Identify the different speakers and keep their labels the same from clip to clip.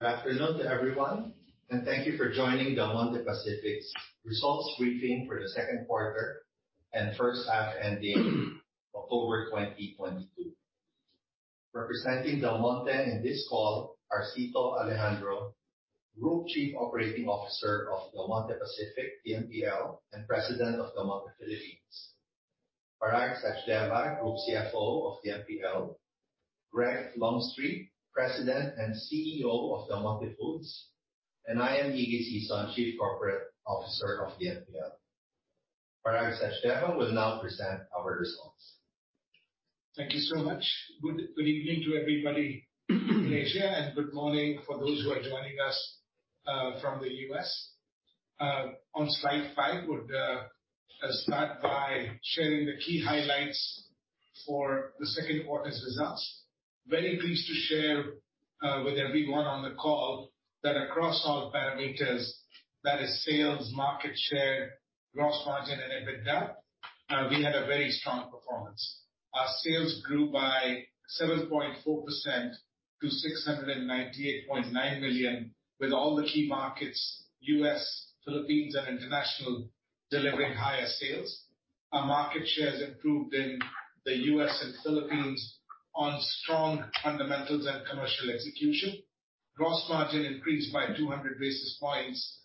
Speaker 1: Good afternoon to everyone, and thank you for joining Del Monte Pacific's results briefing for the second quarter and first half ending October 2022. Representing Del Monte in this call are Cito Alejandro, Group Chief Operating Officer of Del Monte Pacific, DMPL, and President of Del Monte Philippines. Parag Sachdeva, Group CFO of DMPL. Greg Longstreet, President and CEO of Del Monte Foods, and I am Iggy Sison, Chief Corporate Officer of DMPL. Parag Sachdeva will now present our results.
Speaker 2: Thank you so much. Good, good evening to everybody in Asia, and good morning for those who are joining us from the U.S. On slide 5, would start by sharing the key highlights for the second quarter's results. Very pleased to share with everyone on the call that across all parameters, that is sales, market share, gross margin and EBITDA, we had a very strong performance. Our sales grew by 7.4% to $698.9 million, with all the key markets, U.S., Philippines and international, delivering higher sales. Our market shares improved in the U.S. and Philippines on strong fundamentals and commercial execution. Gross margin increased by 200 basis points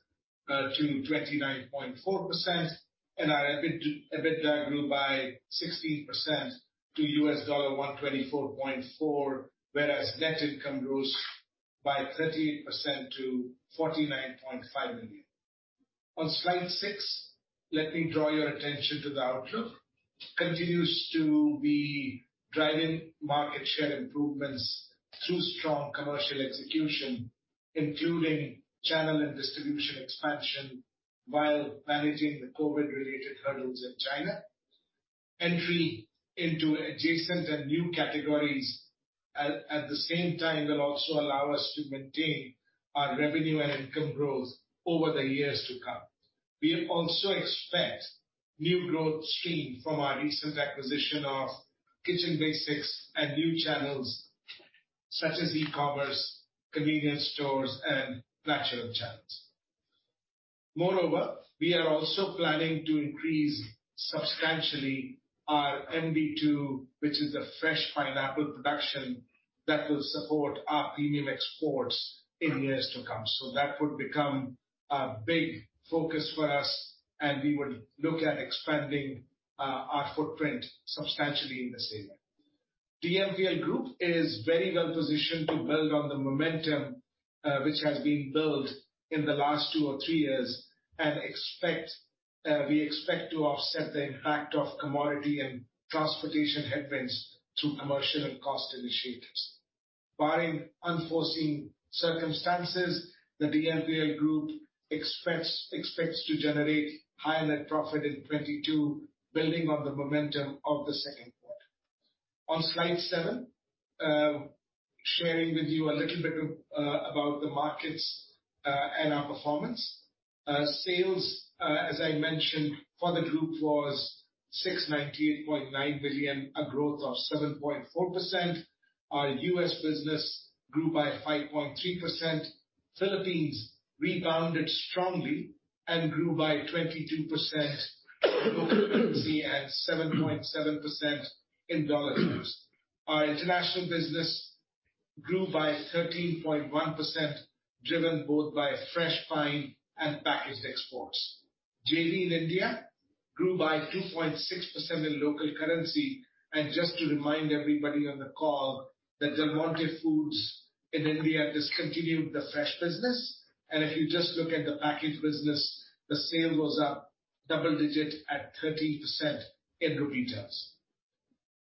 Speaker 2: to 29.4%. Our EBIT, EBITDA grew by 16% to $124.4, whereas net income grows by 38% to $49.5 million. On slide 6, let me draw your attention to the outlook. Continues to be driving market share improvements through strong commercial execution, including channel and distribution expansion while managing the COVID-related hurdles in China. Entry into adjacent and new categories at the same time will also allow us to maintain our revenue and income growth over the years to come. We also expect new growth stream from our recent acquisition of Kitchen Basics and new channels such as e-commerce, convenience stores and natural channels. Moreover, we are also planning to increase substantially our MD2, which is a fresh pineapple production that will support our premium exports in years to come. That would become a big focus for us, and we would look at expanding our footprint substantially in this area. DMPL Group is very well positioned to build on the momentum which has been built in the last two or three years. We expect to offset the impact of commodity and transportation headwinds through commercial and cost initiatives. Barring unforeseen circumstances, the DMPL Group expects to generate higher net profit in 2022, building on the momentum of the second quarter. On slide seven, sharing with you a little bit about the markets and our performance. Sales, as I mentioned, for the group was $698.9 billion, a growth of 7.4%. Our US business grew by 5.3%. Philippines rebounded strongly and grew by 22% local currency and 7.7% in dollar terms. Our international business grew by 13.1%, driven both by fresh pine and packaged exports. JV in India grew by 2.6% in local currency. Just to remind everybody on the call that Del Monte Foods in India discontinued the fresh business, and if you just look at the packaged business, the sale was up double digits at 13% in INR.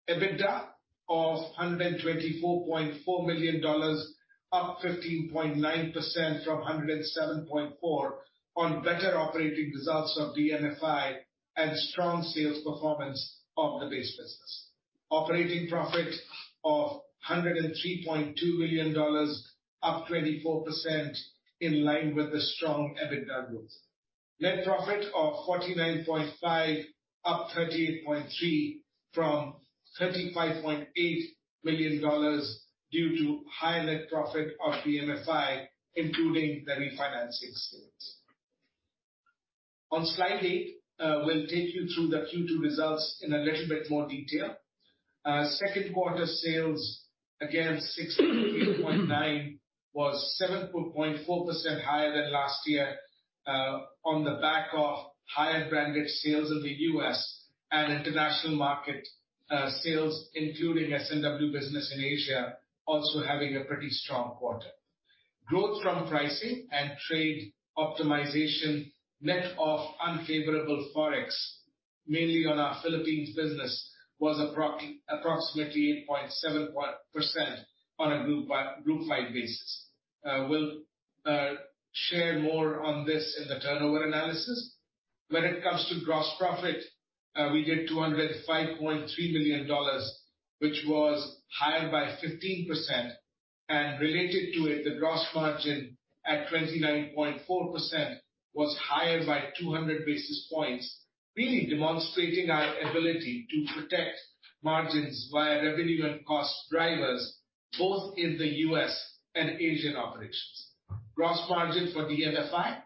Speaker 2: EBITDA of $124.4 million, up 15.9% from $107.4 million on better operating results of DMFI and strong sales performance of the base business. Operating profit of $103.2 million, up 24% in line with the strong EBITDA growth. Net profit of $49.5, up 38.3% from $35.8 million due to higher net profit of DMFI, including the refinancing gains. On slide 8, we'll take you through the Q2 results in a little bit more detail. Second quarter sales, again $698.9, was 7.4% higher than last year on the back of higher branded sales in the U.S. and international market sales including S&W business in Asia, also having a pretty strong quarter. Growth from pricing and trade optimization, net of unfavorable Forex, mainly on our Philippines business was approximately 8.7% on a group wide basis. We'll share more on this in the turnover analysis. When it comes to gross profit, we did $205.3 million, which was higher by 15%. Related to it, the gross margin at 29.4%, was higher by 200 basis points, really demonstrating our ability to protect margins via revenue and cost drivers both in the U.S. and Asian operations. Gross margin for DMFI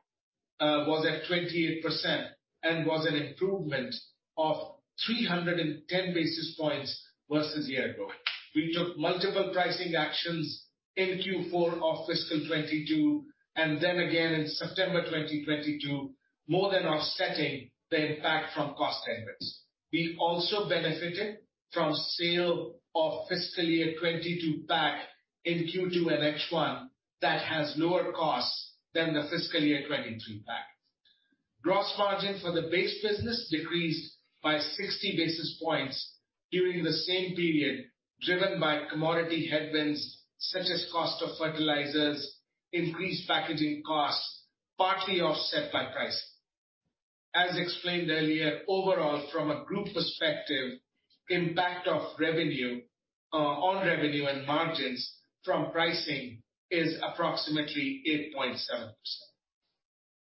Speaker 2: was at 28% and was an improvement of 310 basis points versus year ago. We took multiple pricing actions in Q4 of fiscal 2022 and then again in September 2022, more than offsetting the impact from cost headwinds. We also benefited from sale of fiscal year 2022 pack in Q2 and H1 that has lower costs than the fiscal year 2023 pack. Gross margin for the base business decreased by 60 basis points during the same period, driven by commodity headwinds such as cost of fertilizers, increased packaging costs, partly offset by pricing. As explained earlier, overall, from a group perspective, impact of revenue on revenue and margins from pricing is approximately 8.7%.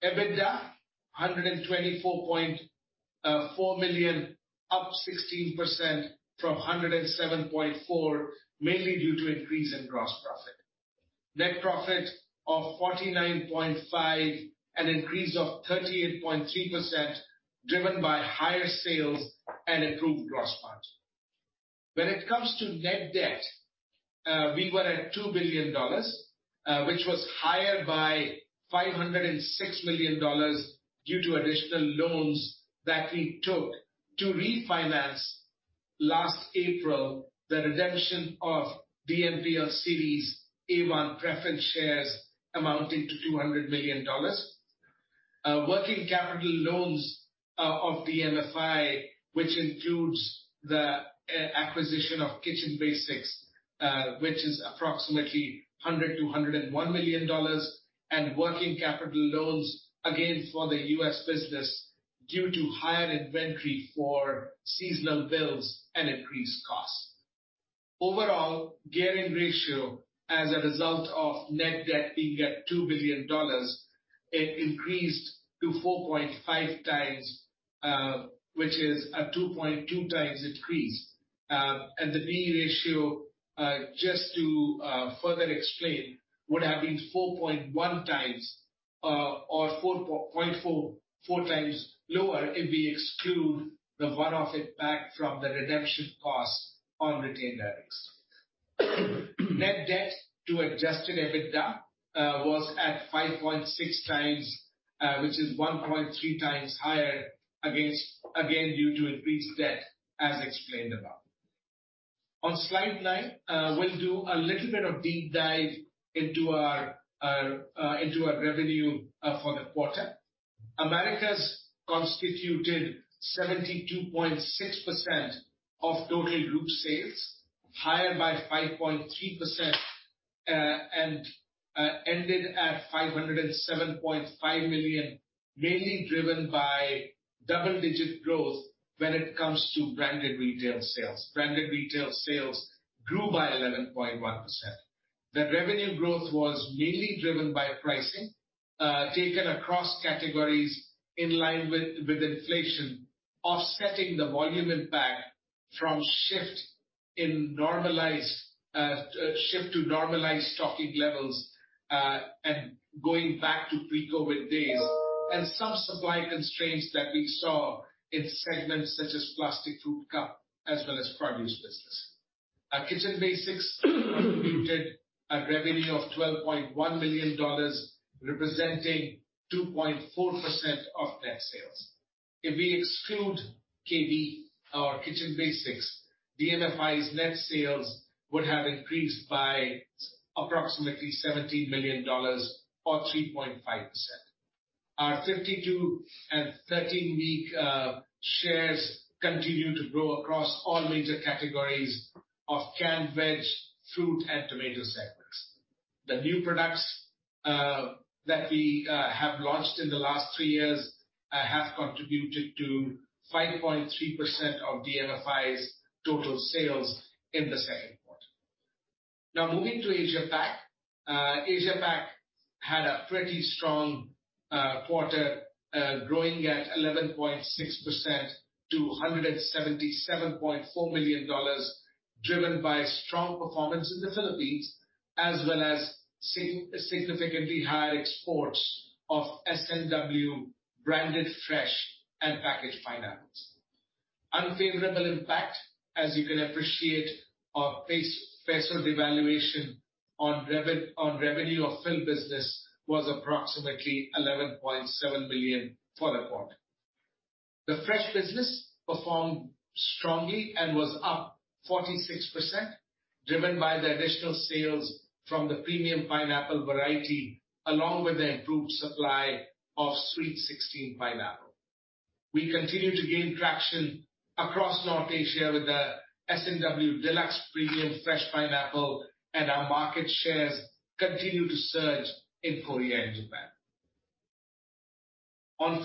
Speaker 2: EBITDA, $124.4 million, up 16% from $107.4 million, mainly due to increase in gross profit. Net profit of $49.5 million, an increase of 38.3%, driven by higher sales and improved gross margin. When it comes to net debt, we were at $2 billion, which was higher by $506 million due to additional loans that we took to refinance last April the redemption of DMPL Series A-1 preference shares amounting to $200 million. working capital loans of DMFI, which includes the acquisition of Kitchen Basics, which is approximately $100 million-$101 million, and working capital loans again for the U.S. business due to higher inventory for seasonal bills and increased costs. Overall, gearing ratio as a result of net debt being at $2 billion, it increased to 4.5 times, which is a 2.2 times increase. The B ratio, just to further explain, would have been 4.1 times, or 4.4 times lower if we exclude the one-off impact from the redemption cost on retained earnings. Net debt to adjusted EBITDA, was at 5.6 times, which is 1.3 times higher against... due to increased debt as explained above. On slide 9, we'll do a little bit of deep dive into our revenue for the quarter. Americas constituted 72.6% of total group sales, higher by 5.3%, and ended at $507.5 million, mainly driven by double-digit growth when it comes to branded retail sales. Branded retail sales grew by 11.1%. The revenue growth was mainly driven by pricing taken across categories in line with inflation, offsetting the volume impact from shift to normalized stocking levels, and going back to pre-COVID days, and some supply constraints that we saw in segments such as plastic food cup as well as produce business. Our Kitchen Basics contributed a revenue of $12.1 million, representing 2.4% of net sales. If we exclude KB or Kitchen Basics, DMFI's net sales would have increased by approximately $17 million or 3.5%. Our 52 and 13-week shares continued to grow across all major categories of canned veg, fruit, and tomato segments. The new products that we have launched in the last 3 years have contributed to 5.3% of DMFI's total sales in the second quarter. Moving to Asia Pac. Asia Pac had a pretty strong quarter, growing at 11.6% to $177.4 million, driven by strong performance in the Philippines as well as significantly higher exports of S&W branded fresh and packaged pineapples. Unfavorable impact, as you can appreciate, our Philippine Peso devaluation on revenue of Philippine business was approximately $11.7 million for the quarter. The fresh business performed strongly and was up 46%, driven by the additional sales from the premium pineapple variety along with the improved supply of S&W Sweet 16 pineapple. We continue to gain traction across North Asia with the S&W Deluxe premium fresh pineapple, and our market shares continue to surge in Korea and Japan.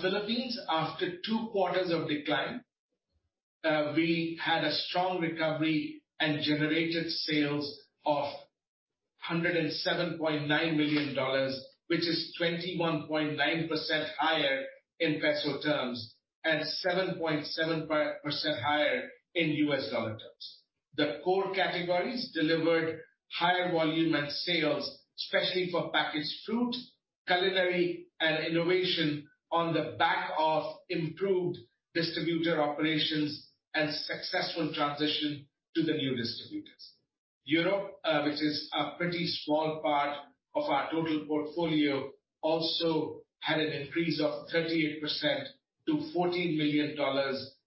Speaker 2: Philippines, after 2 quarters of decline, we had a strong recovery and generated sales of $107.9 million, which is 21.9% higher in PHP terms, and 7.7% higher in USD terms. The core categories delivered higher volume and sales, especially for packaged fruit, culinary, and innovation on the back of improved distributor operations and successful transition to the new distributors. Europe, which is a pretty small part of our total portfolio, also had an increase of 38% to $14 million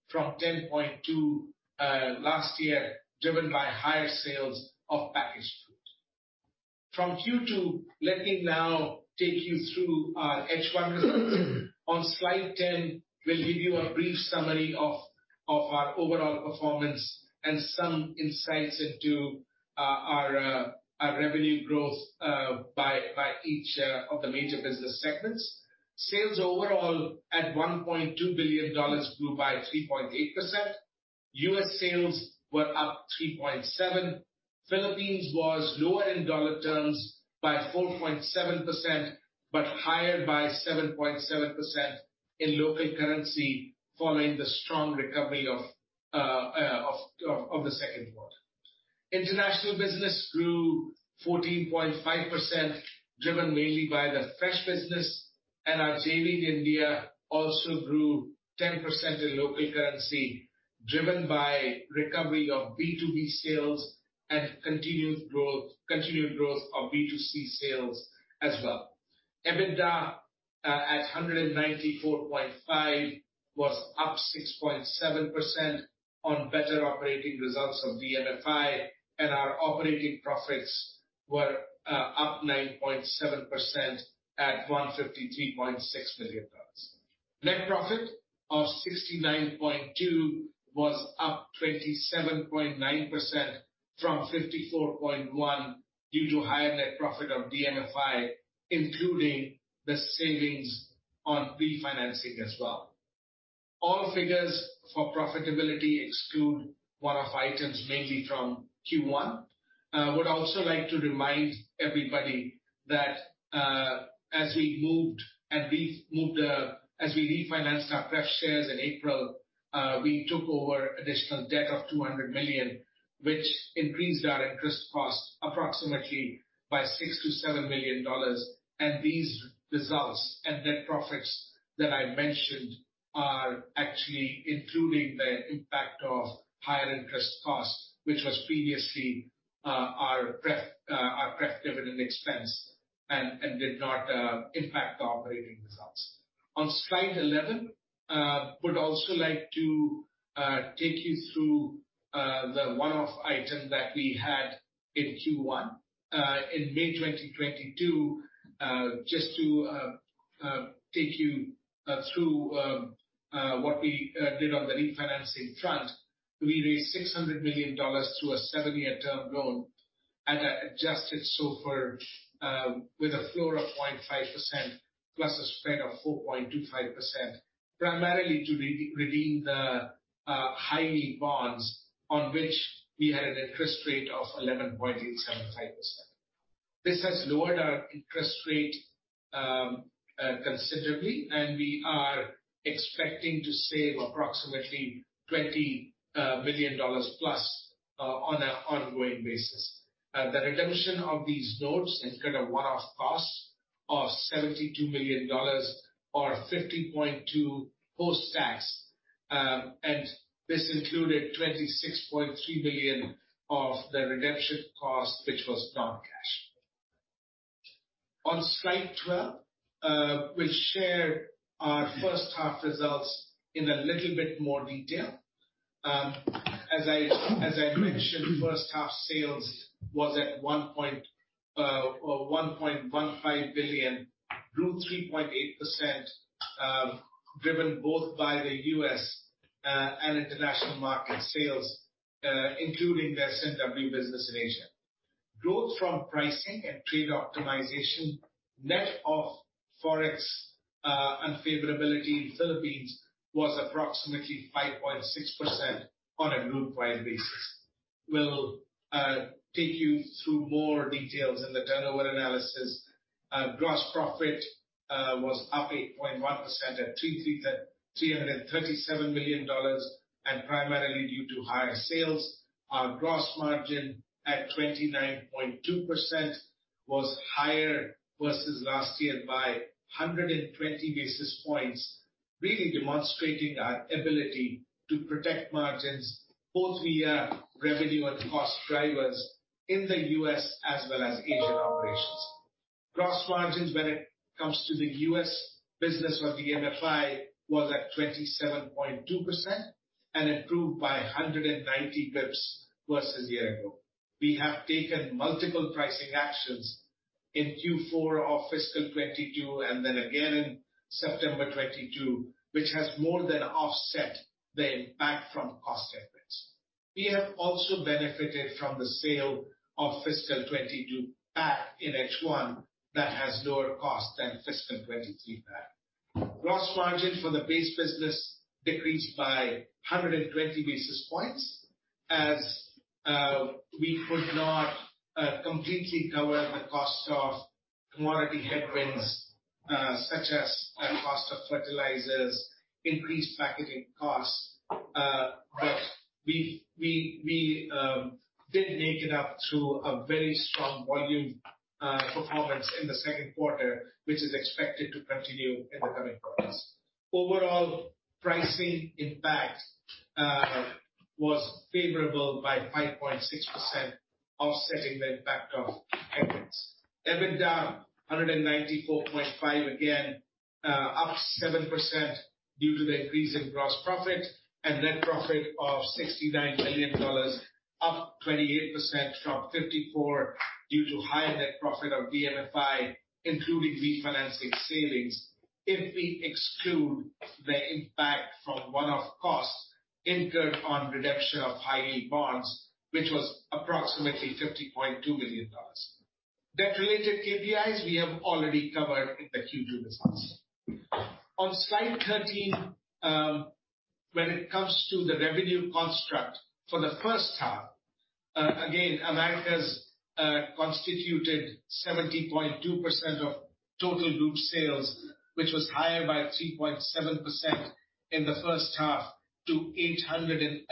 Speaker 2: from $10.2 million last year, driven by higher sales of packaged food. From Q2, let me now take you through our H1 results. On slide 10, we'll give you a brief summary of our overall performance and some insights into our revenue growth by each of the major business segments. Sales overall at $1.2 billion grew by 3.8%. U.S. sales were up 3.7%. Philippines was lower in dollar terms by 4.7%, but higher by 7.7% in local currency following the strong recovery of the second quarter. International business grew 14.5%, driven mainly by the fresh business. Our JV in India also grew 10% in local currency, driven by recovery of B2B sales and continued growth of B2C sales as well. EBITDA at $194.5 was up 6.7% on better operating results of DMFI, our operating profits were up 9.7% at $153.6 million. Net profit of $69.2 was up 27.9% from $54.1 due to higher net profit of DMFI, including the savings on refinancing as well. All figures for profitability exclude one-off items, mainly from Q1. Would also like to remind everybody that as we refinanced our pref shares in April, we took over additional debt of $200 million, which increased our interest cost approximately by $6 million-$7 million. These results and net profits that I mentioned are actually including the impact of higher interest costs, which was previously our pref dividend expense and did not impact operating results. On slide 11, would also like to take you through the one-off item that we had in Q1. In May 2022, just to take you through what we did on the refinancing front, we raised $600 million through a 7-year term loan at an adjusted SOFR, with a floor of 0.5% plus a spread of 4.25%, primarily to redeem the high yield bonds on which we had an interest rate of 11.875%. This has lowered our interest rate considerably. We are expecting to save approximately $20 million+ on an ongoing basis. The redemption of these notes incurred a one-off cost of $72 million or $50.2 million post-tax. This included $26.3 million of the redemption cost, which was non-cash. On slide 12, we'll share our first half results in a little bit more detail. As I mentioned, first half sales was at $1.15 billion, grew 3.8%, driven both by the U.S. and international market sales, including the S&W business in Asia. Growth from pricing and trade optimization, net of Forex unfavorability in Philippines, was approximately 5.6% on a group-wide basis. We'll take you through more details in the turnover analysis. Gross profit was up 8.1% at $337 million primarily due to higher sales. Our gross margin at 29.2% was higher versus last year by 120 basis points, really demonstrating our ability to protect margins both via revenue and cost drivers in the US as well as Asian operations. Gross margins when it comes to the US business for DMFI was at 27.2% and improved by 190 basis points versus a year ago. We have taken multiple pricing actions in Q4 of fiscal 2022 and then again in September 2022, which has more than offset the impact from cost inflation. We have also benefited from the sale of fiscal 2022 pack in H1 that has lower cost than fiscal 2023 pack. Gross margin for the base business decreased by 120 basis points as we could not completely cover the cost of commodity headwinds, such as cost of fertilizers, increased packaging costs. But we did make it up through a very strong volume performance in the second quarter, which is expected to continue in the coming quarters. Overall pricing impact was favorable by 5.6%, offsetting the impact of headwinds. EBIT down $194.5 again, up 7% due to the increase in gross profit. Net profit of $69 million, up 28% from $54 million due to higher net profit of DMFI, including refinancing savings. If we exclude the impact from one-off costs incurred on redemption of high yield bonds, which was approximately $50.2 million. Debt-related KPIs we have already covered in the Q2 results. On slide 13, when it comes to the revenue construct for the first half, again, Americas constituted 70.2% of total group sales, which was higher by 3.7% in the first half to $811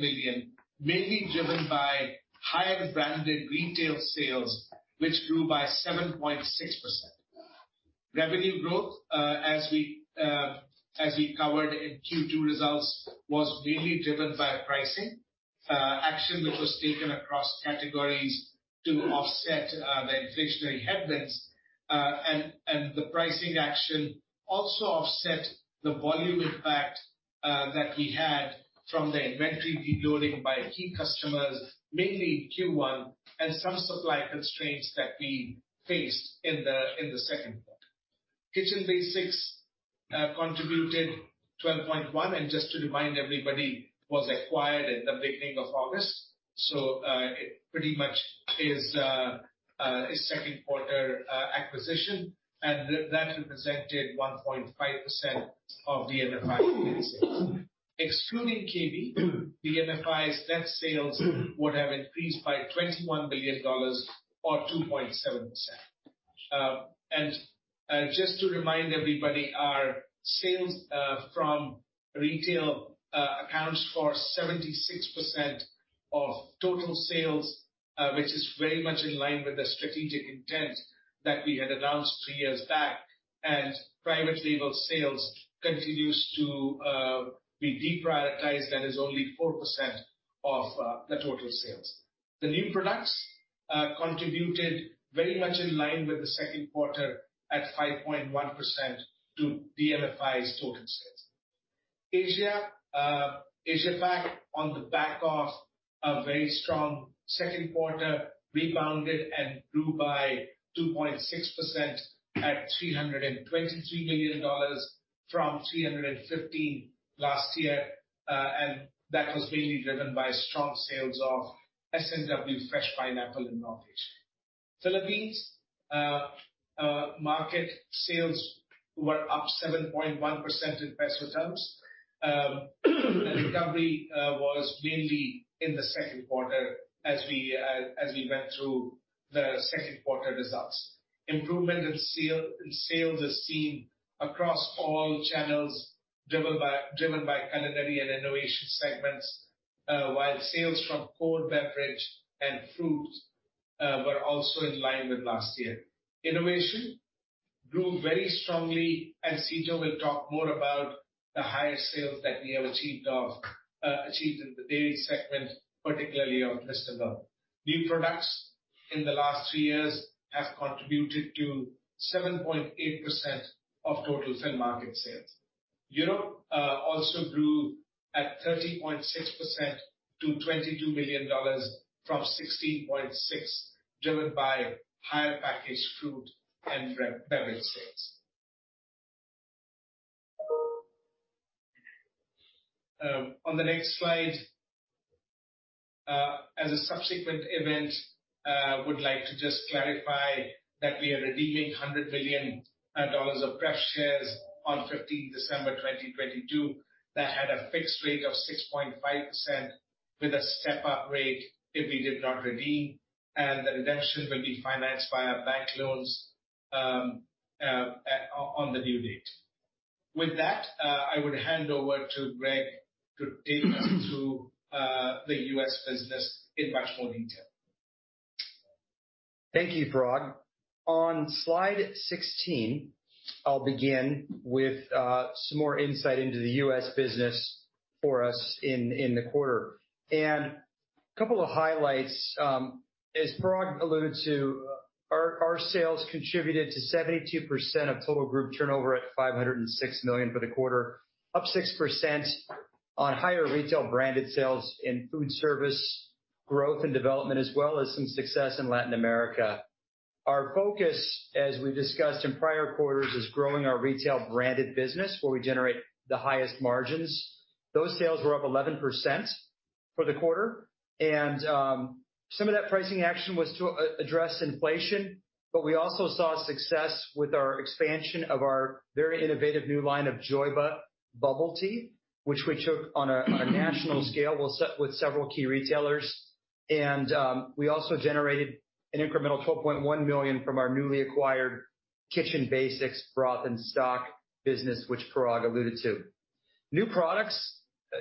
Speaker 2: million, mainly driven by higher branded retail sales, which grew by 7.6%. Revenue growth, as we covered in Q2 results, was mainly driven by pricing action that was taken across categories to offset the inflationary headwinds. The pricing action also offset the volume impact that we had from the inventory de-loading by key customers, mainly in Q1 and some supply constraints that we faced in the second quarter. Kitchen Basics contributed $12.1 million, just to remind everybody, was acquired in the beginning of August. It pretty much is a second quarter acquisition, and that represented 1.5% of DMFI's net sales. Excluding KB, DMFI's net sales would have increased by $21 million or 2.7%. Just to remind everybody, our sales from retail accounts for 76% of total sales, which is very much in line with the strategic intent that we had announced 3 years back. Private label sales continues to be deprioritized, that is only 4% of the total sales. The new products contributed very much in line with the second quarter at 5.1% to DMFI's total sales. Asia. Asia Pac on the back of a very strong second quarter rebounded and grew by 2.6% at $323 million from $315 million last year. That was mainly driven by strong sales of S&W Fresh Pineapple in North Asia. Philippines market sales were up 7.1% in PHP terms. The recovery was mainly in the second quarter as we went through the second quarter results. Improvement in sales is seen across all channels driven by culinary and innovation segments. While sales from cold beverage and fruit were also in line with last year. Innovation grew very strongly. Sijo will talk more about the higher sales that we have achieved in the dairy segment, particularly of Mr. Milk. New products in the last 3 years have contributed to 7.8% of total Fin Market sales. Europe also grew at 30.6% to $22 million from $16.6 million, driven by higher packaged fruit and beverage sales. On the next slide, as a subsequent event, would like to just clarify that we are redeeming $100 million of preference shares on 15th December 2022 that had a fixed rate of 6.5% with a step-up rate if we did not redeem. The redemption will be financed via bank loans on the due date. With that, I would hand over to Greg to take us through the U.S. business in much more detail.
Speaker 3: Thank you, Parag. On slide 16, I'll begin with some more insight into the U.S. business for us in the quarter. Couple of highlights, as Parag alluded to, our sales contributed to 72% of total group turnover at $506 million for the quarter, up 6% on higher retail branded sales in food service growth and development, as well as some success in Latin America. Our focus, as we've discussed in prior quarters, is growing our retail branded business where we generate the highest margins. Those sales were up 11% for the quarter. Some of that pricing action was to address inflation. We also saw success with our expansion of our very innovative new line of Joyba bubble tea, which we took on a national scale with several key retailers. We also generated an incremental $12.1 million from our newly acquired Kitchen Basics broth and stock business, which Parag alluded to. New products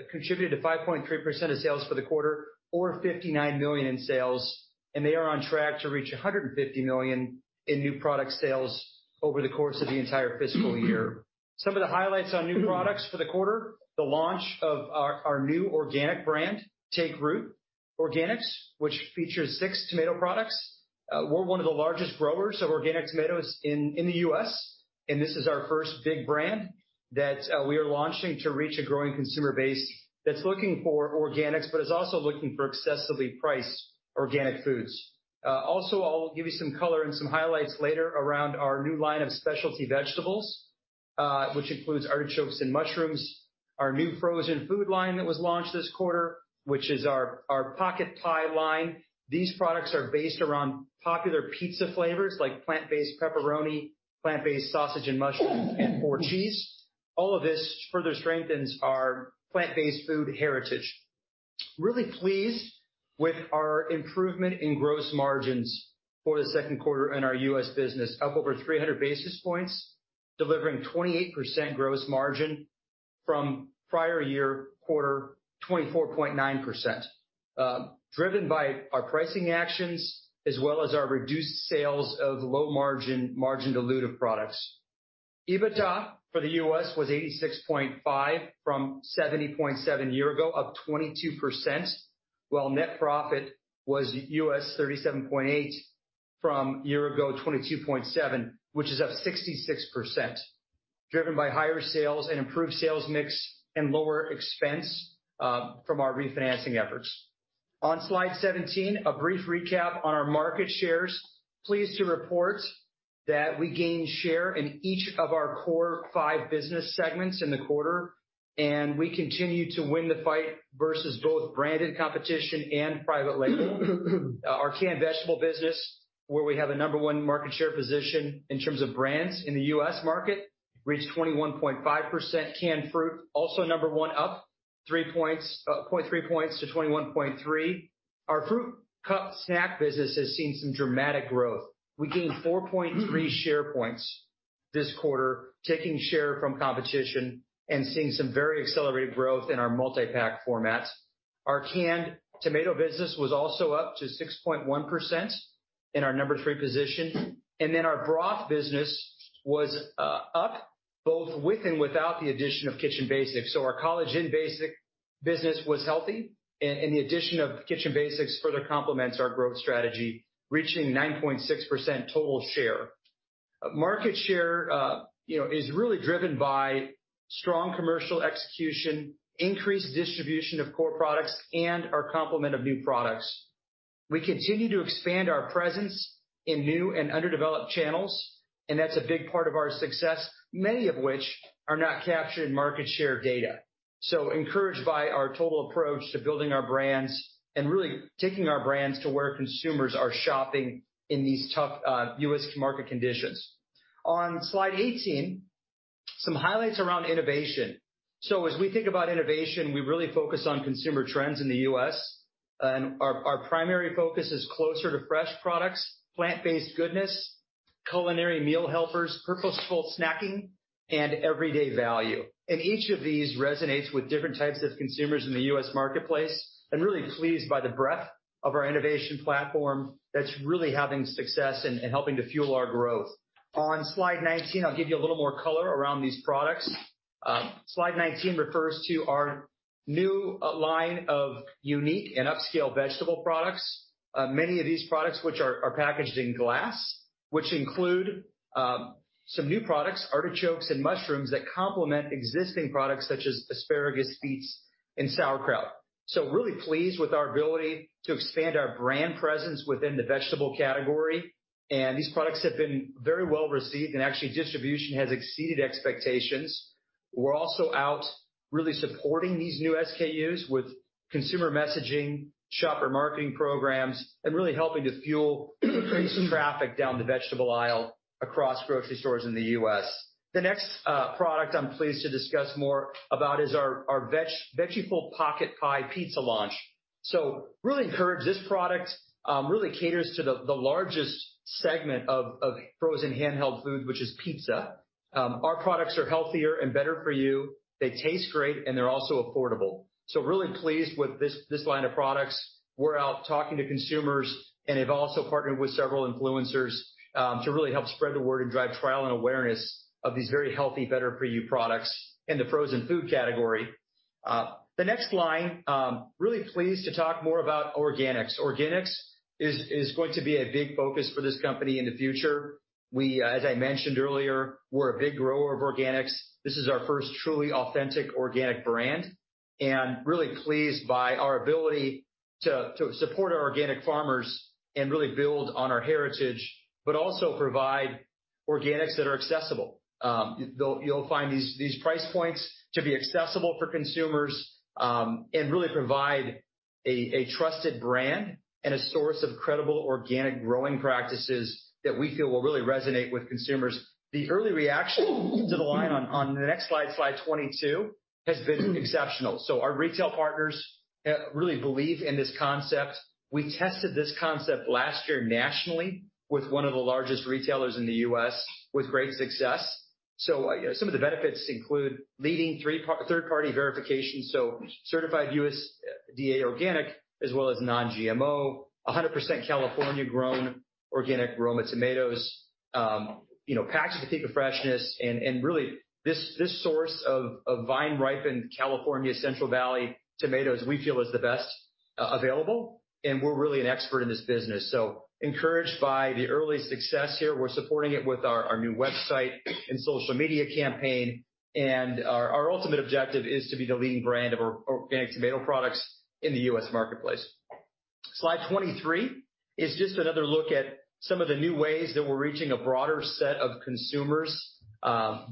Speaker 3: contributed to 5.3% of sales for the quarter or $59 million in sales. They are on track to reach $150 million in new product sales over the course of the entire fiscal year. Some of the highlights on new products for the quarter, the launch of our new organic brand, Take Root Organics, which features six tomato products. We're one of the largest growers of organic tomatoes in the U.S. This is our first big brand that we are launching to reach a growing consumer base that's looking for organics, but is also looking for excessively priced organic foods. Also, I'll give you some color and some highlights later around our new line of specialty vegetables, which includes artichokes and mushrooms, our new frozen food line that was launched this quarter, which is our pocket pie line. These products are based around popular pizza flavors like plant-based pepperoni, plant-based sausage and mushrooms, and four cheese. All of this further strengthens our plant-based food heritage. Really pleased with our improvement in gross margins for the second quarter in our U.S. business, up over 300 basis points, delivering 28% gross margin from prior year quarter, 24.9%. Driven by our pricing actions as well as our reduced sales of low margin dilutive products. EBITDA for the U.S. was $86.5 from $70.7 a year ago, up 22%. While net profit was $37.8 from a year ago, $22.7, which is up 66%, driven by higher sales and improved sales mix and lower expense from our refinancing efforts. On slide 17, a brief recap on our market shares. Pleased to report that we gained share in each of our core five business segments in the quarter, and we continue to win the fight versus both branded competition and private label. Our canned vegetable business, where we have a number one market share position in terms of brands in the U.S. market, reached 21.5%. Canned fruit, also number one, up 3 points, 0.3 points to 21.3%. Our fruit cup snack business has seen some dramatic growth. We gained 4.3 share points this quarter, taking share from competition and seeing some very accelerated growth in our multi-pack formats. Our canned tomato business was also up to 6.1% in our number three position. Our broth business was up both with and without the addition of Kitchen Basics. Our College Inn basic business was healthy, and the addition of Kitchen Basics further complements our growth strategy, reaching 9.6% total share. Market share, you know, is really driven by strong commercial execution, increased distribution of core products, and our complement of new products. We continue to expand our presence in new and underdeveloped channels, that's a big part of our success, many of which are not captured in market share data. Encouraged by our total approach to building our brands and really taking our brands to where consumers are shopping in these tough US market conditions. On slide 18, some highlights around innovation. As we think about innovation, we really focus on consumer trends in the US, and our primary focus is closer to fresh products, plant-based goodness, culinary meal helpers, purposeful snacking, and everyday value. Each of these resonates with different types of consumers in the US marketplace, and really pleased by the breadth of our innovation platform that's really having success and helping to fuel our growth. On slide 19, I'll give you a little more color around these products. Slide 19 refers to our new line of unique and upscale vegetable products. Many of these products which are packaged in glass, which include some new products, artichokes and mushrooms, that complement existing products such as asparagus, beets, and sauerkraut. Really pleased with our ability to expand our brand presence within the vegetable category. These products have been very well received and actually distribution has exceeded expectations. We're also out really supporting these new SKUs with consumer messaging, shopper marketing programs, and really helping to fuel increased traffic down the vegetable aisle across grocery stores in the U.S. The next product I'm pleased to discuss more about is our veggie full pocket pie pizza launch. Really encouraged. This product really caters to the largest segment of frozen handheld food, which is pizza. Our products are healthier and better for you, they taste great, and they're also affordable. Really pleased with this line of products. We're out talking to consumers, and have also partnered with several influencers to really help spread the word and drive trial and awareness of these very healthy, better-for-you products in the frozen food category. The next line, really pleased to talk more about organics. Organics is going to be a big focus for this company in the future. We, as I mentioned earlier, we're a big grower of organics. This is our first truly authentic organic brand. Really pleased by our ability to support our organic farmers and really build on our heritage, but also provide organics that are accessible. You'll find these price points to be accessible for consumers, and really provide a trusted brand and a source of credible organic growing practices that we feel will really resonate with consumers. The early reaction to the line on the next slide 22, has been exceptional. Our retail partners really believe in this concept. We tested this concept last year nationally with one of the largest retailers in the US with great success. Some of the benefits include leading three third-party verification, so certified USDA organic as well as Non-GMO, 100% California grown organic Roma tomatoes, you know, packed with the peak of freshness and really this source of vine-ripened California Central Valley tomatoes we feel is the best available, and we're really an expert in this business. Encouraged by the early success here. We're supporting it with our new website and social media campaign. Our ultimate objective is to be the leading brand of organic tomato products in the U.S. marketplace. Slide 23 is just another look at some of the new ways that we're reaching a broader set of consumers,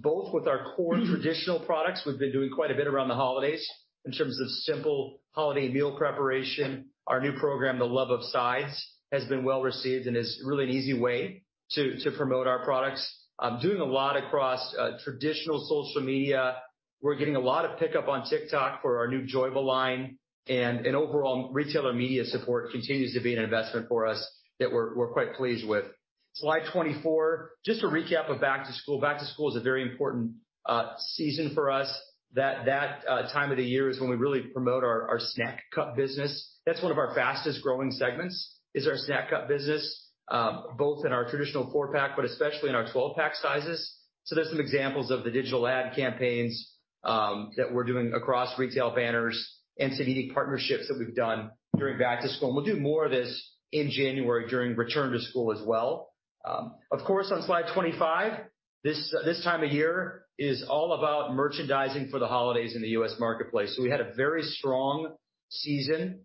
Speaker 3: both with our core traditional products. We've been doing quite a bit around the holidays in terms of simple holiday meal preparation. Our new program, The Love of Sides, has been well received and is really an easy way to promote our products. I'm doing a lot across traditional social media. We're getting a lot of pickup on TikTok for our new Joyba line and overall retailer media support continues to be an investment for us that we're quite pleased with. Slide 24, just a recap of back to school. Back to school is a very important season for us. That time of the year is when we really promote our snack cup business. That's one of our fastest-growing segments is our snack cup business, both in our traditional 4-pack, but especially in our 12-pack sizes. There's some examples of the digital ad campaigns that we're doing across retail banners and some unique partnerships that we've done during back to school. We'll do more of this in January during return to school as well. Of course on slide 25, this time of year is all about merchandising for the holidays in the U.S. marketplace. We had a very strong season.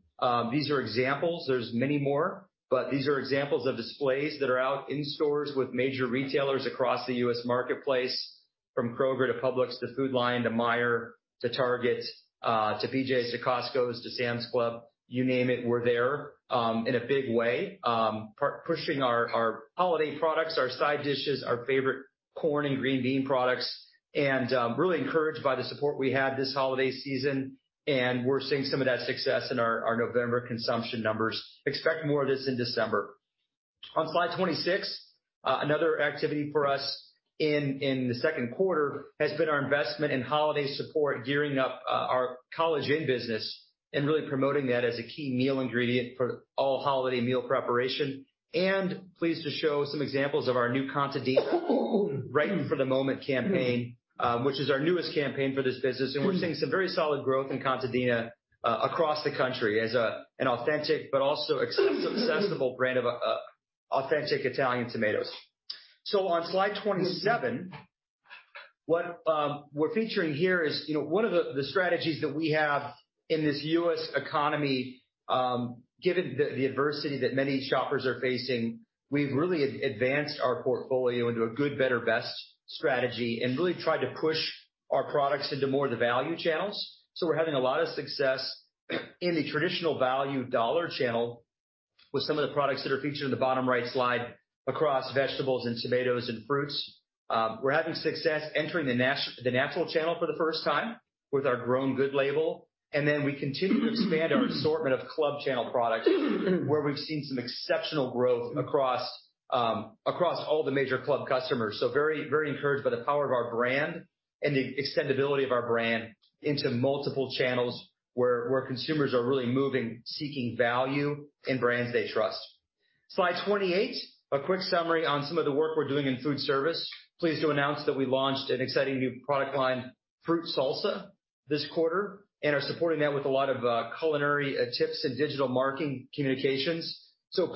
Speaker 3: These are examples. There's many more, but these are examples of displays that are out in stores with major retailers across the U.S. marketplace, from Kroger to Publix to Food Lion to Meijer to Target, to BJ's, to Costco's, to Sam's Club. You name it, we're there, pushing our holiday products, our side dishes, our favorite corn and green bean products, really encouraged by the support we had this holiday season. We're seeing some of that success in our November consumption numbers. Expect more of this in December. On slide 26, another activity for us in the second quarter has been our investment in holiday support, gearing up our College Inn business. Really promoting that as a key meal ingredient for all holiday meal preparation. Pleased to show some examples of our new Contadina Ripened for the Moment campaign, which is our newest campaign for this business. We're seeing some very solid growth in Contadina across the country as an authentic but also accessible brand of authentic Italian tomatoes. On slide 27, what we're featuring here is, you know, one of the strategies that we have in this US economy, given the adversity that many shoppers are facing, we've really advanced our portfolio into a good, better, best strategy and really tried to push our products into more of the value channels. We're having a lot of success in the traditional value dollar channel with some of the products that are featured in the bottom right slide across vegetables and tomatoes and fruits. We're having success entering the natural channel for the first time with our Grown Good label. We continue to expand our assortment of club channel products where we've seen some exceptional growth across all the major club customers. Very, very encouraged by the power of our brand and the extendibility of our brand into multiple channels where consumers are really moving, seeking value in brands they trust. Slide 28, a quick summary on some of the work we're doing in food service. Pleased to announce that we launched an exciting new product line, Fruit Salsa, this quarter, and are supporting that with a lot of culinary tips and digital marketing communications.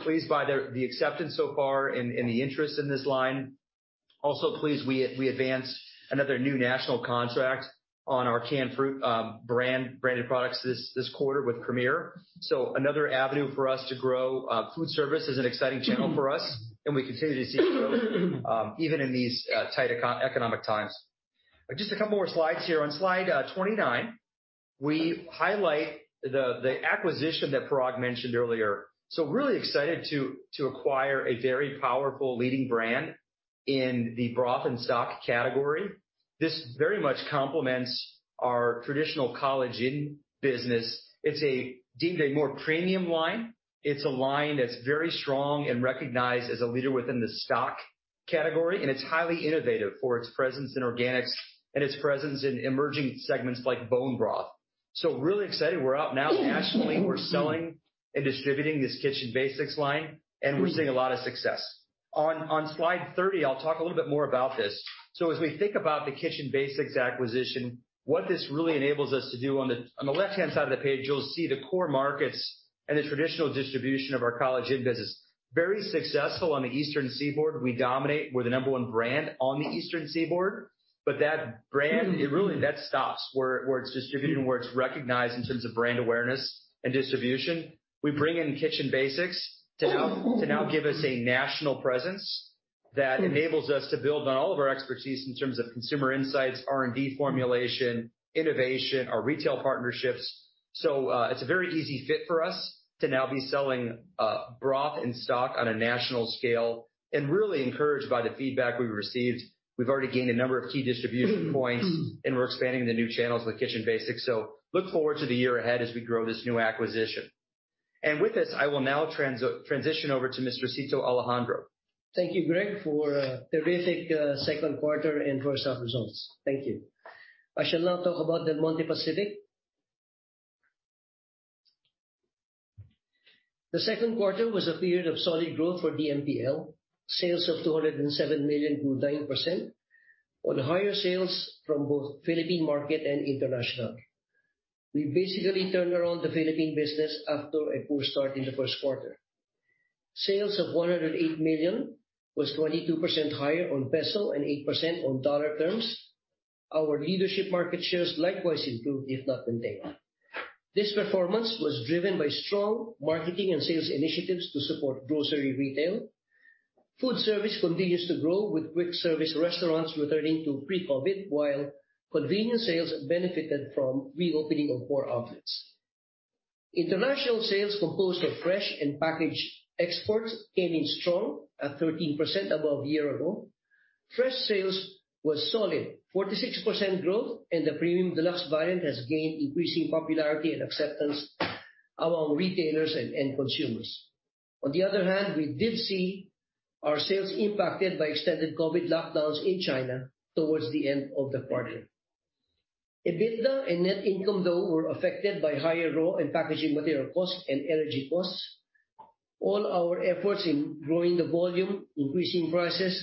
Speaker 3: Pleased by the acceptance so far and the interest in this line. Also pleased we advanced another new national contract on our canned fruit branded products this quarter with Premier. Another avenue for us to grow. Food service is an exciting channel for us, and we continue to see growth even in these tight eco-economic times. Just a couple more slides here. On slide 29, we highlight the acquisition that Parag mentioned earlier. Really excited to acquire a very powerful leading brand in the broth and stock category. This very much complements our traditional College Inn business. It's deemed a more premium line. It's a line that's very strong and recognized as a leader within the stock category, and it's highly innovative for its presence in organics and its presence in emerging segments like bone broth. Really excited. We're out now nationally. We're selling and distributing this Kitchen Basics line, and we're seeing a lot of success. On slide 30, I'll talk a little bit more about this. As we think about the Kitchen Basics acquisition, what this really enables us to do on the, on the left-hand side of the page, you'll see the core markets and the traditional distribution of our College Inn business. Very successful on the eastern seaboard. We dominate. We're the number 1 brand on the eastern seaboard. That brand, it really stops where it's distributed and where it's recognized in terms of brand awareness and distribution. We bring in Kitchen Basics to now give us a national presence that enables us to build on all of our expertise in terms of consumer insights, R&D formulation, innovation, our retail partnerships. It's a very easy fit for us to now be selling broth and stock on a national scale, and really encouraged by the feedback we've received. We've already gained a number of key distribution points, and we're expanding the new channels with Kitchen Basics. Look forward to the year ahead as we grow this new acquisition. With this, I will now transition over to Mr. Cito Alejandro.
Speaker 4: Thank you, Greg, for a terrific second quarter and first half results. Thank you. I shall now talk about Del Monte Pacific. The second quarter was a period of solid growth for DMPL. Sales of $207 million grew 9% on higher sales from both Philippine market and international. We basically turned around the Philippine business after a poor start in the first quarter. Sales of $108 million was 22% higher on peso and 8% on dollar terms. Our leadership market shares likewise improved, if not maintained. This performance was driven by strong marketing and sales initiatives to support grocery retail. Food service continues to grow, with quick service restaurants returning to pre-COVID, while convenience sales benefited from reopening of core outlets. International sales composed of fresh and packaged exports came in strong at 13% above a year ago. Fresh sales was solid, 46% growth, and the premium Deluxe variant has gained increasing popularity and acceptance among retailers and end consumers. On the other hand, we did see our sales impacted by extended COVID lockdowns in China towards the end of the quarter. EBITDA and net income, though, were affected by higher raw and packaging material costs and energy costs. All our efforts in growing the volume, increasing prices,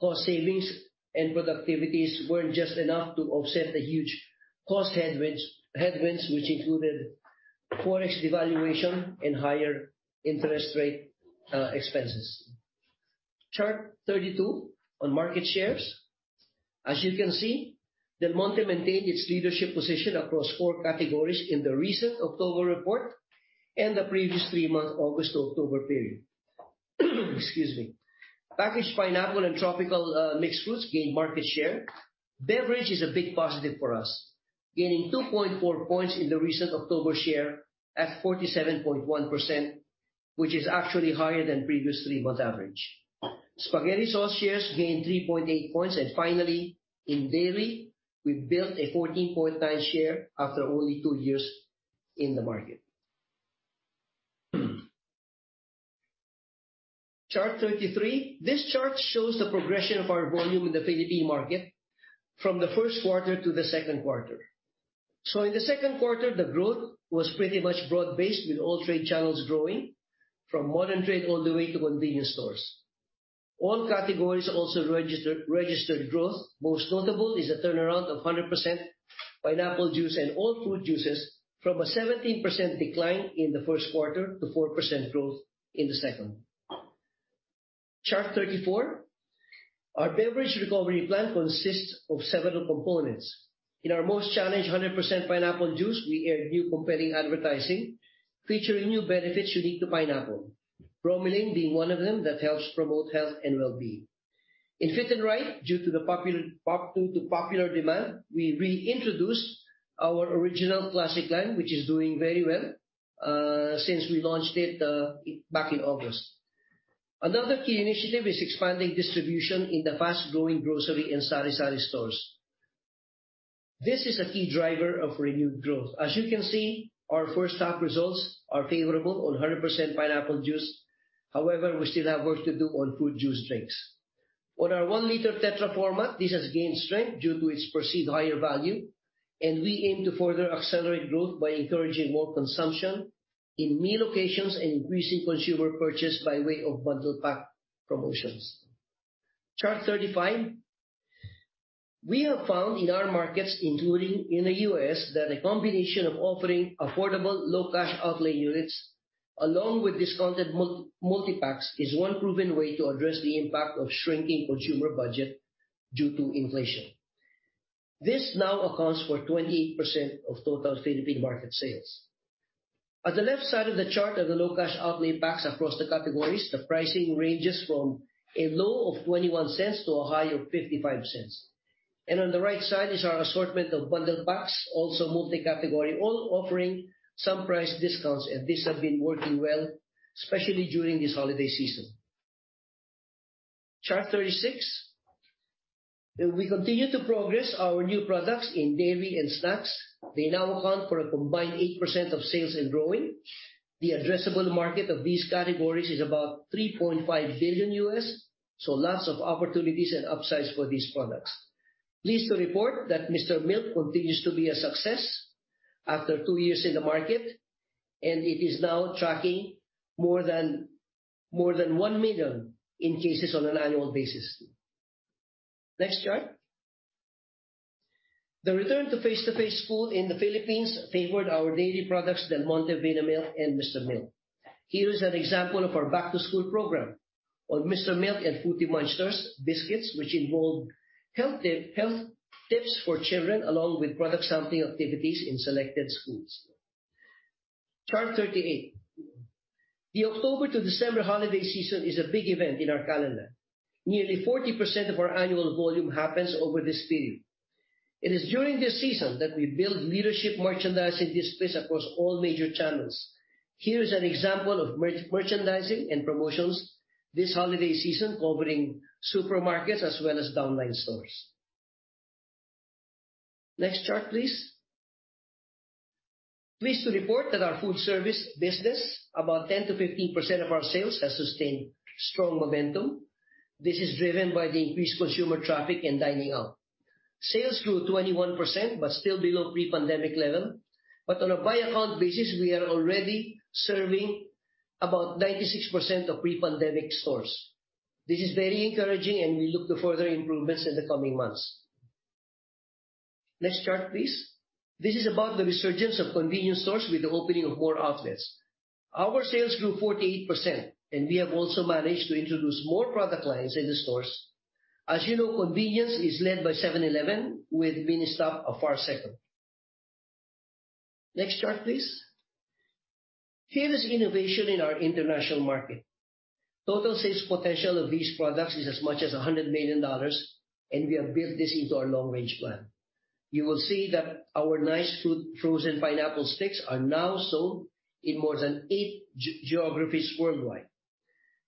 Speaker 4: cost savings, and productivities weren't just enough to offset the huge cost headwinds which included Forex devaluation and higher interest rate expenses. Chart 32 on market shares. As you can see, Del Monte maintained its leadership position across four categories in the recent October report and the previous three-month August to October period. Excuse me. Packaged pineapple and tropical mixed fruits gained market share. Beverage is a big positive for us, gaining 2.4 points in the recent October share at 47.1%, which is actually higher than previous 3-month average. Spaghetti sauce shares gained 3.8 points. Finally, in dairy, we built a 14.9 share after only 2 years in the market. Chart 33. This chart shows the progression of our volume in the Philippine market from the 1st quarter to the 2nd quarter. In the 2nd quarter, the growth was pretty much broad-based, with all trade channels growing from modern trade all the way to convenience stores. All categories also registered growth. Most notable is the turnaround of 100% pineapple juice and all fruit juices from a 17% decline in the 1st quarter to 4% growth in the 2nd. Chart 34. Our beverage recovery plan consists of several components. In our most challenged 100% pineapple juice, we aired new compelling advertising featuring new benefits unique to pineapple, bromelain being one of them that helps promote health and wellbeing. In Fit 'n Right, due to popular demand, we reintroduced our original classic line, which is doing very well since we launched it back in August. Another key initiative is expanding distribution in the fast-growing grocery and sari-sari stores. This is a key driver of renewed growth. As you can see, our first half results are favorable on 100% pineapple juice. However, we still have work to do on fruit juice drinks. On our one-liter tetra format, this has gained strength due to its perceived higher value, and we aim to further accelerate growth by encouraging more consumption in new locations and increasing consumer purchase by way of bundle pack promotions. Chart 35. We have found in our markets, including in the US, that a combination of offering affordable low cash outlay units along with discounted multipacks is one proven way to address the impact of shrinking consumer budget due to inflation. This now accounts for 28% of total Philippine market sales. At the left side of the chart are the low cash outlay packs across the categories. The pricing ranges from a low of $0.21 to a high of $0.55. On the right side is our assortment of bundled packs, also multi-category, all offering some price discounts. These have been working well, especially during this holiday season. Chart 36. As we continue to progress our new products in dairy and snacks, they now account for a combined 8% of sales and growing. The addressable market of these categories is about $3.5 billion, so lots of opportunities and upsides for these products. Pleased to report that Mr. Milk continues to be a success after two years in the market. It is now tracking more than 1 million in cases on an annual basis. Next chart. The return to face-to-face school in the Philippines favored our daily products Del Monte, Vinamilk, and Mr. Milk. Here is an example of our back to school program on Mr. Milk and Fruity Munchsters biscuits, which involved health tips for children along with product sampling activities in selected schools. Chart 38. The October to December holiday season is a big event in our calendar. Nearly 40% of our annual volume happens over this period. It is during this season that we build leadership merchandising displays across all major channels. Here's an example of merchandising and promotions this holiday season covering supermarkets as well as downline stores. Next chart, please. Pleased to report that our food service business, about 10%-15% of our sales, has sustained strong momentum. This is driven by the increased consumer traffic and dining out. Sales grew 21% but still below pre-pandemic level. On a by account basis, we are already serving about 96% of pre-pandemic stores. This is very encouraging, and we look to further improvements in the coming months. Next chart, please. This is about the resurgence of convenience stores with the opening of more outlets. Our sales grew 48%, and we have also managed to introduce more product lines in the stores. As you know, convenience is led by 7-Eleven with Ministop a far second. Next chart, please. Here is innovation in our international market. Total sales potential of these products is as much as $100 million. We have built this into our long-range plan. You will see that our nice food frozen pineapple sticks are now sold in more than eight geographies worldwide.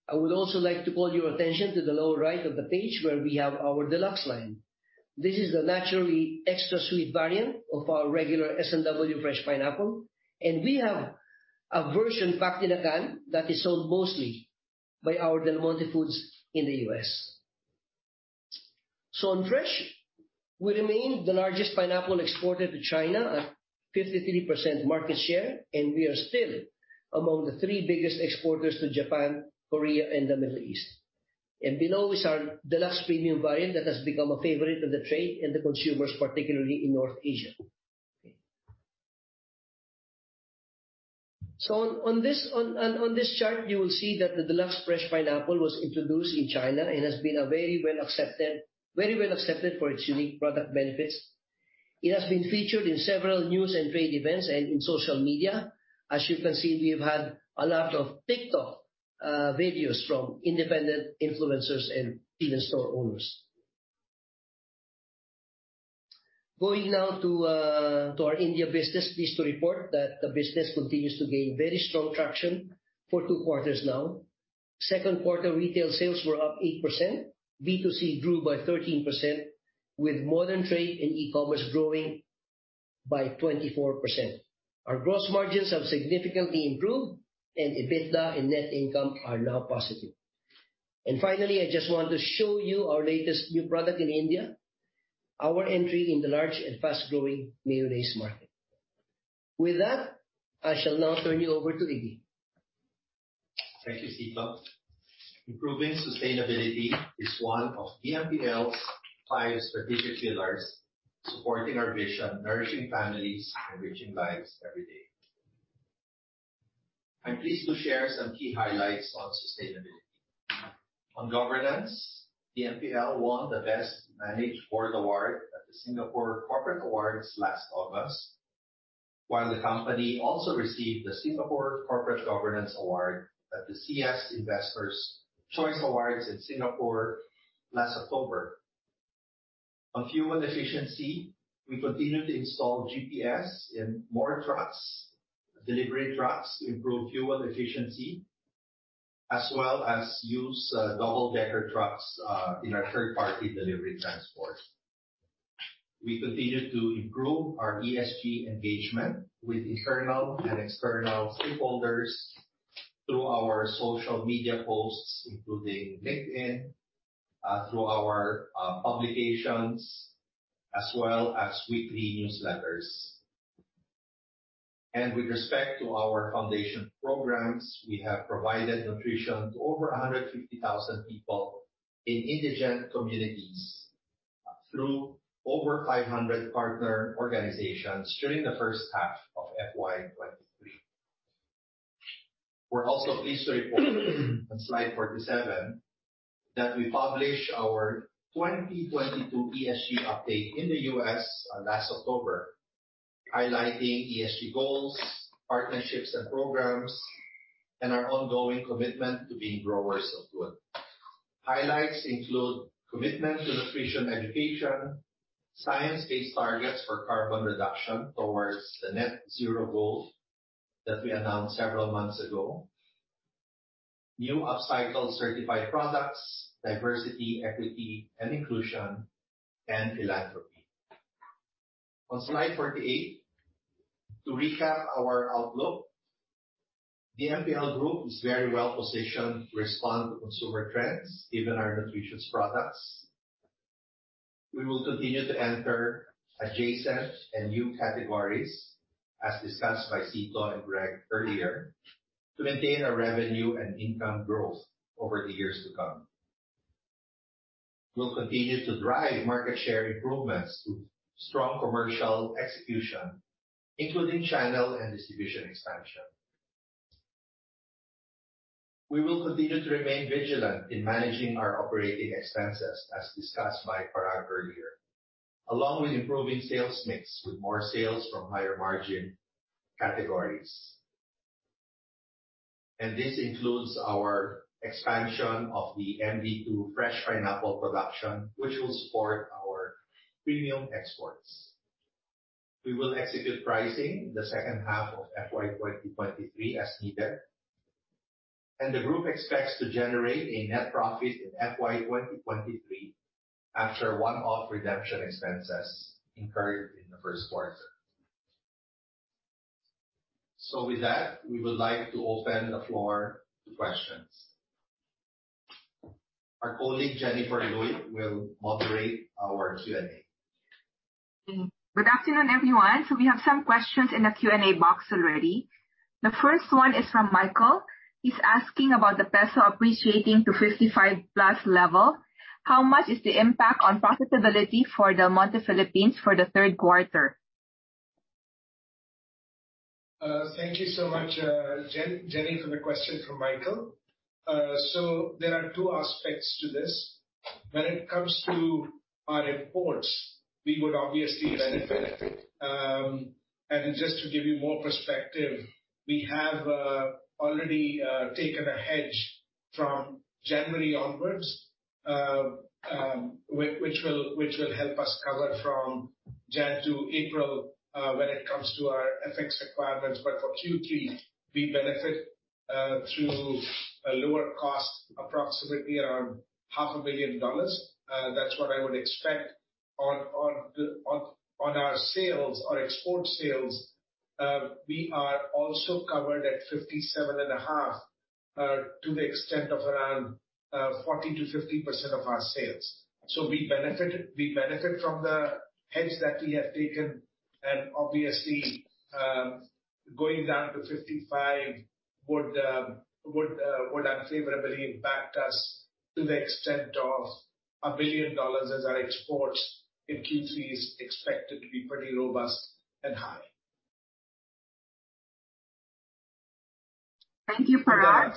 Speaker 4: I would also like to call your attention to the lower right of the page, where we have our Deluxe line. This is the naturally extra sweet variant of our regular S&W fresh pineapple. We have a version packed in a can that is sold mostly by our Del Monte Foods in the U.S. On fresh, we remain the largest pineapple exporter to China at 53% market share. We are still among the three biggest exporters to Japan, Korea, and the Middle East. Below is our Deluxe premium variant that has become a favorite of the trade and the consumers, particularly in North Asia. On this chart, you will see that the Deluxe fresh pineapple was introduced in China and has been very well accepted. Very well accepted for its unique product benefits. It has been featured in several news and trade events and in social media. As you can see, we've had a lot of TikTok videos from independent influencers and even store owners. Going now to our India business. Pleased to report that the business continues to gain very strong traction for two quarters now. Second quarter retail sales were up 8%. B2C grew by 13% with modern trade and e-commerce growing by 24%. Our gross margins have significantly improved, and EBITDA and net income are now positive. Finally, I just want to show you our latest new product in India, our entry in the large and fast-growing mayonnaise market. With that, I shall now turn you over to Iggy.
Speaker 1: Thank you, Cito. Improving sustainability is one of DMPL's five strategic pillars supporting our vision, nourishing families, enriching lives every day. I'm pleased to share some key highlights on sustainability. On governance, DMPL won the Best Managed Board Award at the Singapore Corporate Awards last August, while the company also received the Singapore Corporate Governance Award at the SIAS Investors' Choice Awards in Singapore last October. On fuel efficiency, we continue to install GPS in more trucks, delivery trucks to improve fuel efficiency, as well as use double-decker trucks in our third-party delivery transport. We continue to improve our ESG engagement with internal and external stakeholders through our social media posts, including LinkedIn, through our publications as well as weekly newsletters. With respect to our foundation programs, we have provided nutrition to over 150,000 people in indigent communities through over 500 partner organizations during the first half of FY 2023. We're also pleased to report on slide 47 that we published our 2022 ESG update in the U.S. last October, highlighting ESG goals, partnerships and programs, and our ongoing commitment to being growers of good. Highlights include commitment to nutrition education, science-based targets for carbon reduction towards the net zero goal that we announced several months ago, new upcycled certified products, diversity, equity and inclusion, and philanthropy. On slide 48, to recap our outlook, DMPL Group is very well positioned to respond to consumer trends, given our nutritious products. We will continue to enter adjacent and new categories, as discussed by Cito and Greg earlier, to maintain our revenue and income growth over the years to come. We will continue to drive market share improvements through strong commercial execution, including channel and distribution expansion. We will continue to remain vigilant in managing our operating expenses, as discussed by Parag earlier, along with improving sales mix with more sales from higher margin categories. This includes our expansion of the MD2 fresh pineapple production, which will support our premium exports. We will execute pricing in the second half of FY 2023 as needed. The group expects to generate a net profit in FY 2023 after one-off redemption expenses incurred in the first quarter. With that, we would like to open the floor to questions. Our colleague, Jennifer Luy, will moderate our Q&A.
Speaker 5: Good afternoon, everyone. We have some questions in the Q&A box already. The first one is from Michael. He's asking about the peso appreciating to 55+ level. How much is the impact on profitability for Del Monte Philippines for the third quarter?
Speaker 2: Thank you so much, Jennifer, for the question from Michael. There are two aspects to this. When it comes to our imports, we would obviously benefit. Just to give you more perspective, we have already taken a hedge from January onwards, which will help us cover from January to April, when it comes to our FX requirements. For Q3, we benefit through a lower cost, approximately around half a billion dollars. That's what I would expect. On our sales, our export sales, we are also covered at 57.5% to the extent of around 40%-50% of our sales. We benefit from the hedge that we have taken. Obviously, going down to 55 would unfavorably impact us to the extent of $1 billion as our exports in Q3 is expected to be pretty robust and high.
Speaker 5: Thank you, Parag.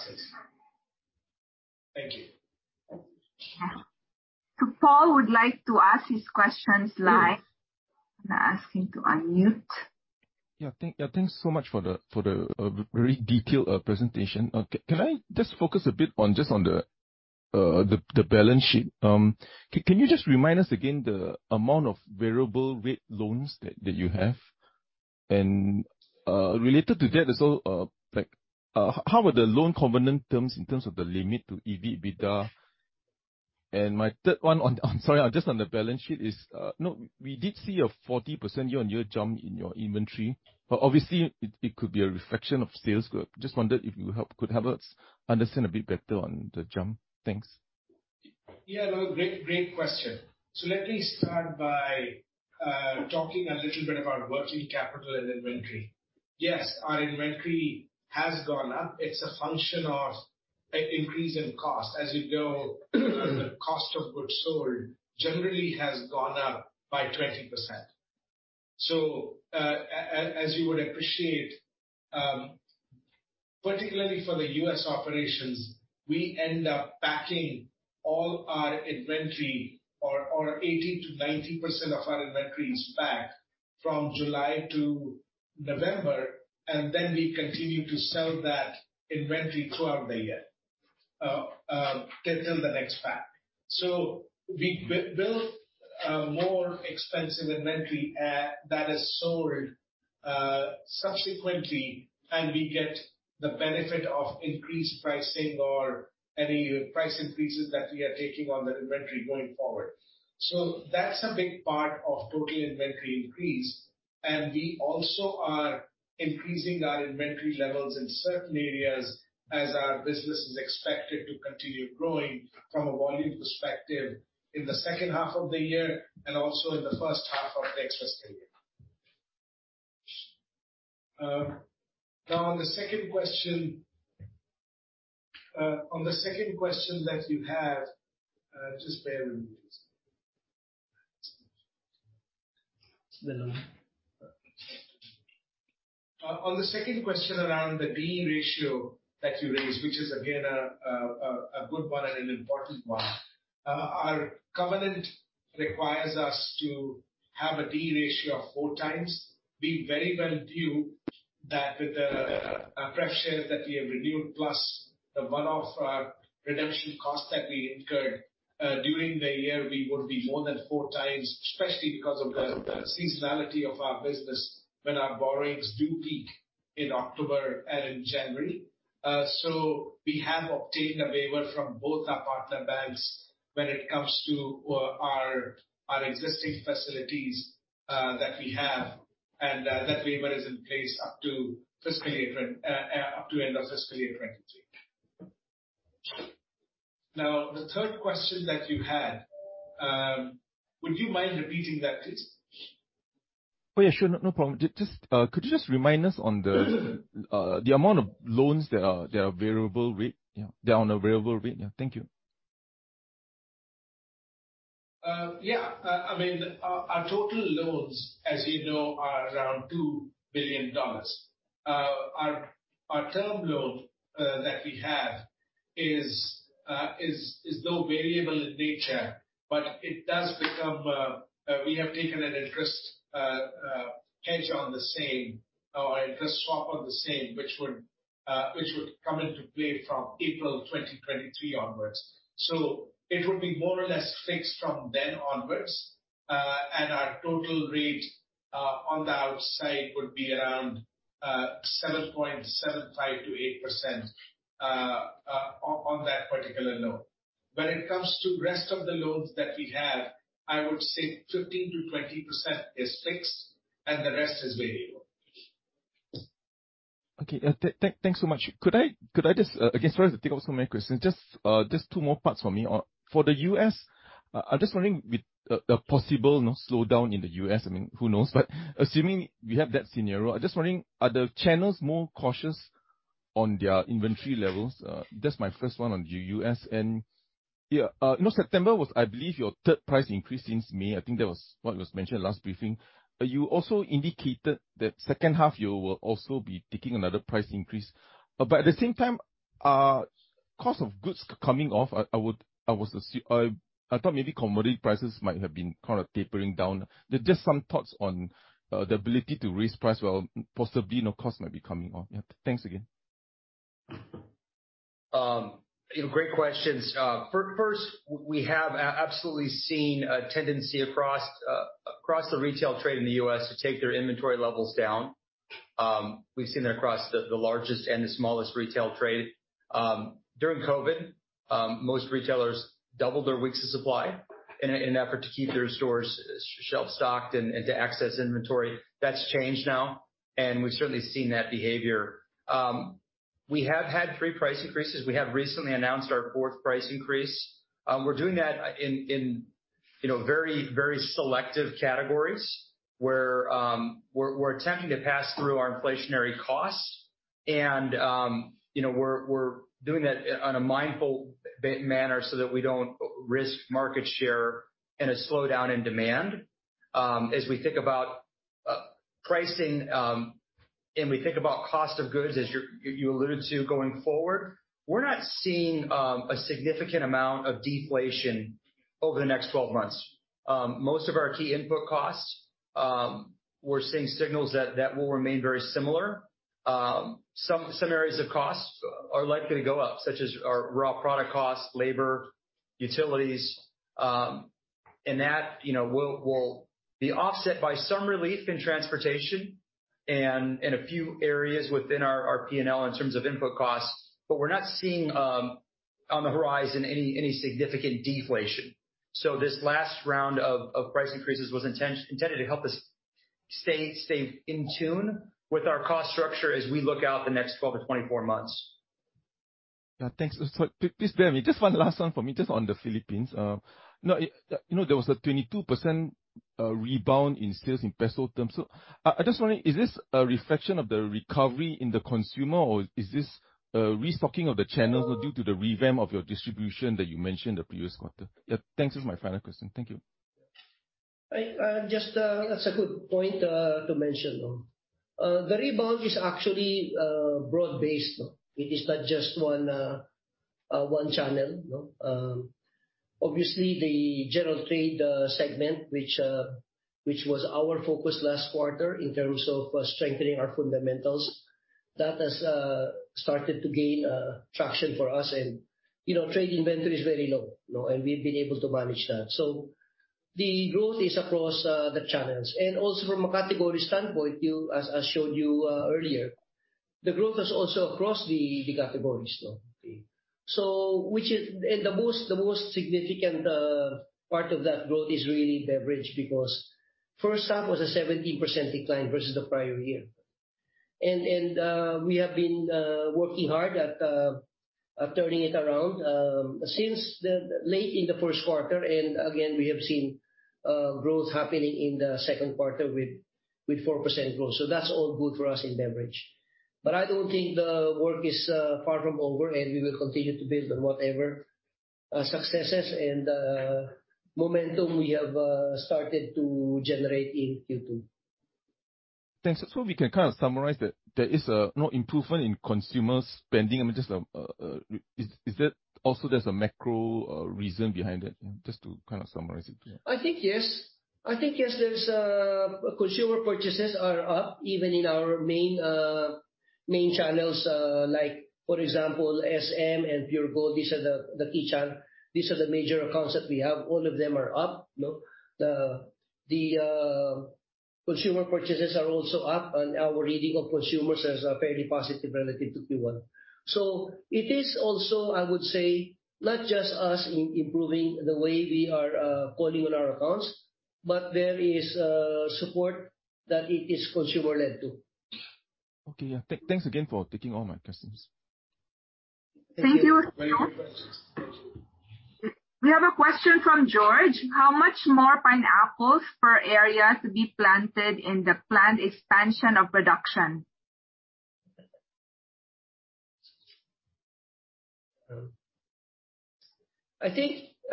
Speaker 2: Hope that answers. Thank you.
Speaker 5: Paul would like to ask his questions live. I'm gonna ask him to unmute.
Speaker 6: Yeah. Thank, yeah, thanks so much for the, for the, very detailed, presentation. Can I just focus a bit on just on the balance sheet? Can you just remind us again the amount of variable rate loans that you have? Related to that as well, like, how are the loan covenant terms in terms of the limit to EBIT EBITDA? My third one on I'm sorry, just on the balance sheet is, no, we did see a 40% year-on-year jump in your inventory, but obviously it could be a reflection of sales growth. Just wondered if you could help us understand a bit better on the jump. Thanks.
Speaker 2: Yeah, no, great question. Let me start by talking a little bit about working capital and inventory. Yes, our inventory has gone up. It's a function of an increase in cost. As you know, the cost of goods sold generally has gone up by 20%. As you would appreciate, particularly for the U.S. operations, we end up backing all our inventory or 80%-90% of our inventory is back from July to November, and then we continue to sell that inventory throughout the year till the next pack. We build more expensive inventory that is sold subsequently, and we get the benefit of increased pricing or any price increases that we are taking on that inventory going forward. That's a big part of total inventory increase. We also are increasing our inventory levels in certain areas as our business is expected to continue growing from a volume perspective in the second half of the year and also in the first half of the next fiscal year. Now on the second question that you have, just bear with me just a second. On the second question around the D/E ratio that you raised, which is again a good one and an important one, our covenant requires us to have a D/E ratio of four times. We very well knew that with the preference share that we have renewed, plus the one-off redemption cost that we incurred during the year, we would be more than 4 times, especially because of the seasonality of our business when our borrowings do peak in October and in January. We have obtained a waiver from both our partner banks when it comes to our existing facilities that we have, and that waiver is in place up to end of fiscal year 2023. The third question that you had, would you mind repeating that, please?
Speaker 6: Yeah, sure. No, no problem. Just could you just remind us on the amount of loans that are variable rate, yeah. They're on a variable rate, yeah. Thank you.
Speaker 2: I mean, our total loans, as you know, are around $2 billion. Our term loan that we have is though variable in nature. We have taken an interest hedge on the same, or interest swap on the same, which would come into play from April 2023 onwards. It would be more or less fixed from then onwards. Our total rate on the outside would be around 7.75%-8% on that particular loan. When it comes to rest of the loans that we have, I would say 15%-20% is fixed and the rest is variable.
Speaker 6: Okay. Thanks so much. Could I just, again, sorry to take up so many questions. Just 2 more parts for me. For the U.S., I'm just wondering with a possible no slowdown in the U.S., I mean, who knows? Assuming we have that scenario, I'm just wondering, are the channels more cautious on their inventory levels? That's my first one on the U.S. Yeah, you know, September was I believe your 3rd price increase since May. I think that was what was mentioned last briefing. You also indicated that second half you will also be taking another price increase. At the same time, cost of goods coming off, I thought maybe commodity prices might have been kind of tapering down. There just some thoughts on the ability to raise price while possibly no cost might be coming on. Yeah. Thanks again.
Speaker 3: You know, great questions. First, we have absolutely seen a tendency across the retail trade in the U.S. to take their inventory levels down. We've seen that across the largest and the smallest retail trade. During COVID, most retailers doubled their weeks of supply in an effort to keep their stores shelf stocked and to access inventory. That's changed now, and we've certainly seen that behavior. We have had 3 price increases. We have recently announced our 4th price increase. We're doing that in, you know, very selective categories where we're attempting to pass through our inflationary costs and, you know, we're doing that on a mindful manner so that we don't risk market share in a slowdown in demand. As we think about pricing, we think about cost of goods as you alluded to going forward, we're not seeing a significant amount of deflation over the next 12 months. Most of our key input costs, we're seeing signals that will remain very similar. Some areas of costs are likely to go up, such as our raw product costs, labor, utilities, and that, you know, will be offset by some relief in transportation and in a few areas within our P&L in terms of input costs. We're not seeing on the horizon any significant deflation. This last round of price increases was intended to help us stay in tune with our cost structure as we look out the next 12 to 24 months.
Speaker 6: Yeah, thanks. Please bear with me. Just one last one for me, just on the Philippines. you know, you know, there was a 22% rebound in sales in PHP terms. I just wondering, is this a reflection of the recovery in the consumer, or is this a restocking of the channels due to the revamp of your distribution that you mentioned the previous quarter? Yeah. Thanks. This is my final question. Thank you.
Speaker 4: I just that's a good point to mention. The rebound is actually broad-based. It is not just one channel, you know. Obviously the general trade segment which was our focus last quarter in terms of strengthening our fundamentals, that has started to gain traction for us. You know, trade inventory is very low, you know, and we've been able to manage that. The growth is across the channels. Also from a category standpoint, as showed you earlier, the growth is also across the categories, you know. Which is... The most significant part of that growth is really beverage because first half was a 17% decline versus the prior year. We have been working hard at turning it around since the late in the first quarter. Again, we have seen growth happening in the second quarter with 4% growth. That's all good for us in beverage. I don't think the work is far from over, and we will continue to build on whatever successes and momentum we have started to generate in Q2.
Speaker 6: Thanks. We can kind of summarize that there is a no improvement in consumer spending. I mean, just, is that also there's a macro reason behind it? Just to kind of summarize it, yeah.
Speaker 4: I think yes. I think yes, there's consumer purchases are up even in our main channels, like for example, SM and Puregold, these are the major accounts that we have. All of them are up, you know. Consumer purchases are also up. Our reading of consumers is fairly positive relative to Q1. It is also, I would say, not just us in improving the way we are calling on our accounts, but there is support that it is consumer led too.
Speaker 6: Okay, yeah. Thanks again for taking all my questions.
Speaker 5: Thank you.
Speaker 2: Thank you.
Speaker 5: We have a question from George. How much more pineapples per area to be planted in the planned expansion of production?
Speaker 4: I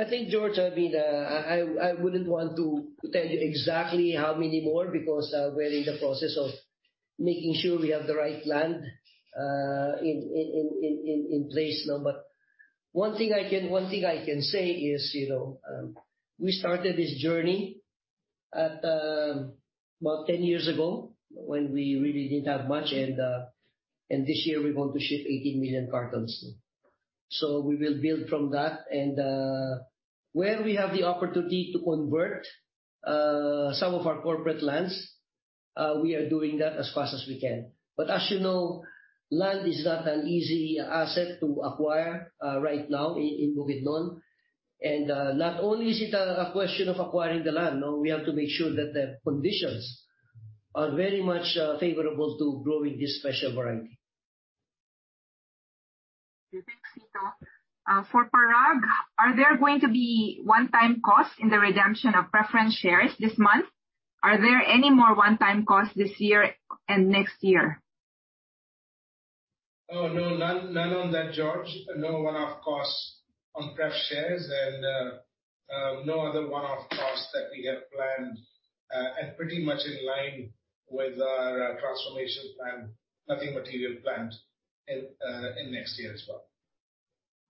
Speaker 4: think, George, I mean, I wouldn't want to tell you exactly how many more because we're in the process of making sure we have the right land in place now. One thing I can say is, you know, we started this journey at about 10 years ago when we really didn't have much and this year we want to ship 18 million cartons. We will build from that. Where we have the opportunity to convert some of our corporate lands, we are doing that as fast as we can. As you know, land is not an easy asset to acquire right now in Bukidnon.
Speaker 2: Not only is it a question of acquiring the land, no, we have to make sure that the conditions are very much favorable to growing this special variety.
Speaker 5: Thanks, Vito. For Parag, are there going to be one-time costs in the redemption of preference shares this month? Are there any more one-time costs this year and next year?
Speaker 2: Oh, no. None on that, George. No one-off costs on pref shares and no other one-off costs that we have planned and pretty much in line with our transformation plan. Nothing material planned in next year as well.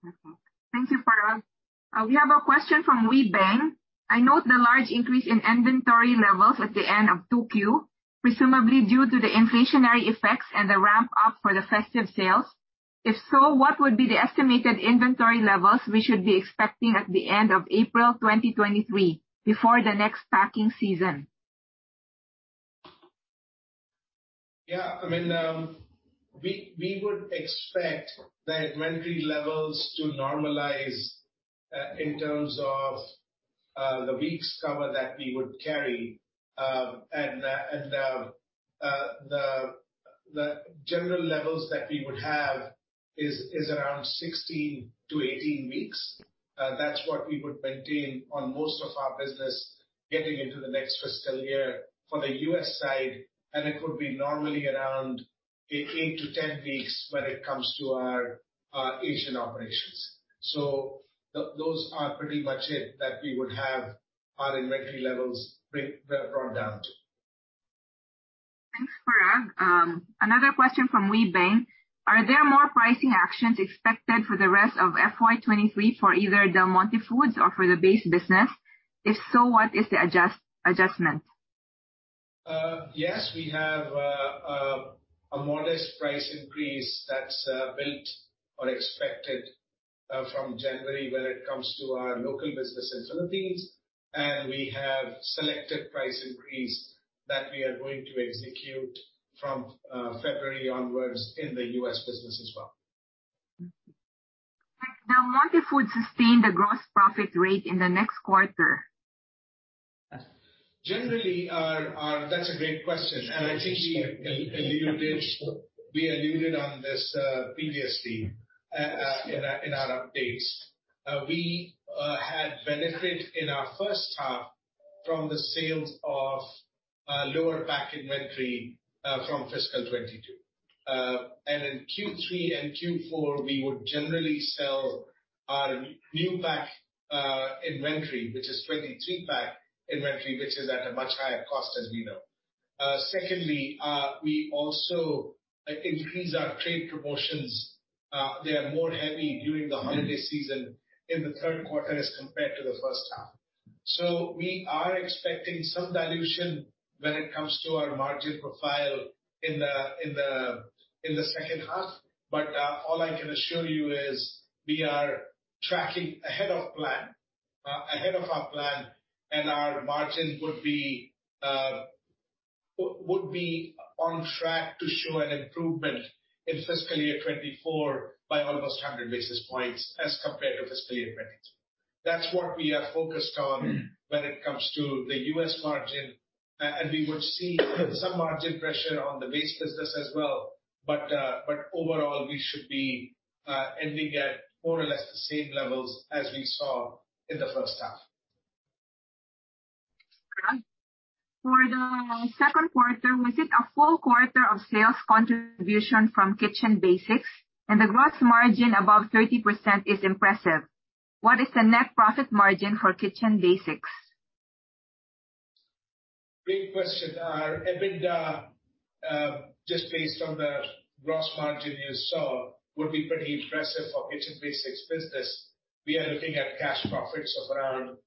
Speaker 5: Okay. Thank you, Parag. We have a question from Wee Ben. I note the large increase in inventory levels at the end of 2Q, presumably due to the inflationary effects and the ramp up for the festive sales. If so, what would be the estimated inventory levels we should be expecting at the end of April 2023 before the next packing season?
Speaker 2: I mean, we would expect the inventory levels to normalize in terms of the weeks cover that we would carry. The general levels that we would have is around 16-18 weeks. That's what we would maintain on most of our business getting into the next fiscal year for the U.S. side, and it could be normally around 8-10 weeks when it comes to our Asian operations. Those are pretty much it that we would have our inventory levels brought down to.
Speaker 5: Thanks, Parag. Another question from Wee Ben. Are there more pricing actions expected for the rest of FY23 for either Del Monte Foods or for the base business? If so, what is the adjustment?
Speaker 2: Yes, we have a modest price increase that's built or expected from January when it comes to our local business in Philippines. We have selected price increase that we are going to execute from February onwards in the U.S. business as well.
Speaker 5: Will Del Monte Foods sustain the gross profit rate in the next quarter?
Speaker 2: That's a great question. I think we alluded on this previously in our updates. We had benefit in our first half from the sales of lower pack inventory from fiscal 2022. In Q3 and Q4, we would generally sell our new pack inventory, which is 23 pack inventory, which is at a much higher cost, as we know. Secondly, we also increase our trade promotions, they are more heavy during the holiday season in the third quarter as compared to the first half. We are expecting some dilution when it comes to our margin profile in the second half. All I can assure you is we are tracking ahead of plan, ahead of our plan, and our margin would be on track to show an improvement in fiscal year 2024 by almost 100 basis points as compared to fiscal year 2023. That's what we are focused on when it comes to the US margin. We would see some margin pressure on the base business as well, but overall, we should be ending at more or less the same levels as we saw in the first half.
Speaker 5: For the second quarter, we see a full quarter of sales contribution from Kitchen Basics and the gross margin above 30% is impressive. What is the net profit margin for Kitchen Basics?
Speaker 2: Great question. Our EBITDA, just based on the gross margin you saw, would be pretty impressive for Kitchen Basics business. We are looking at cash profits of around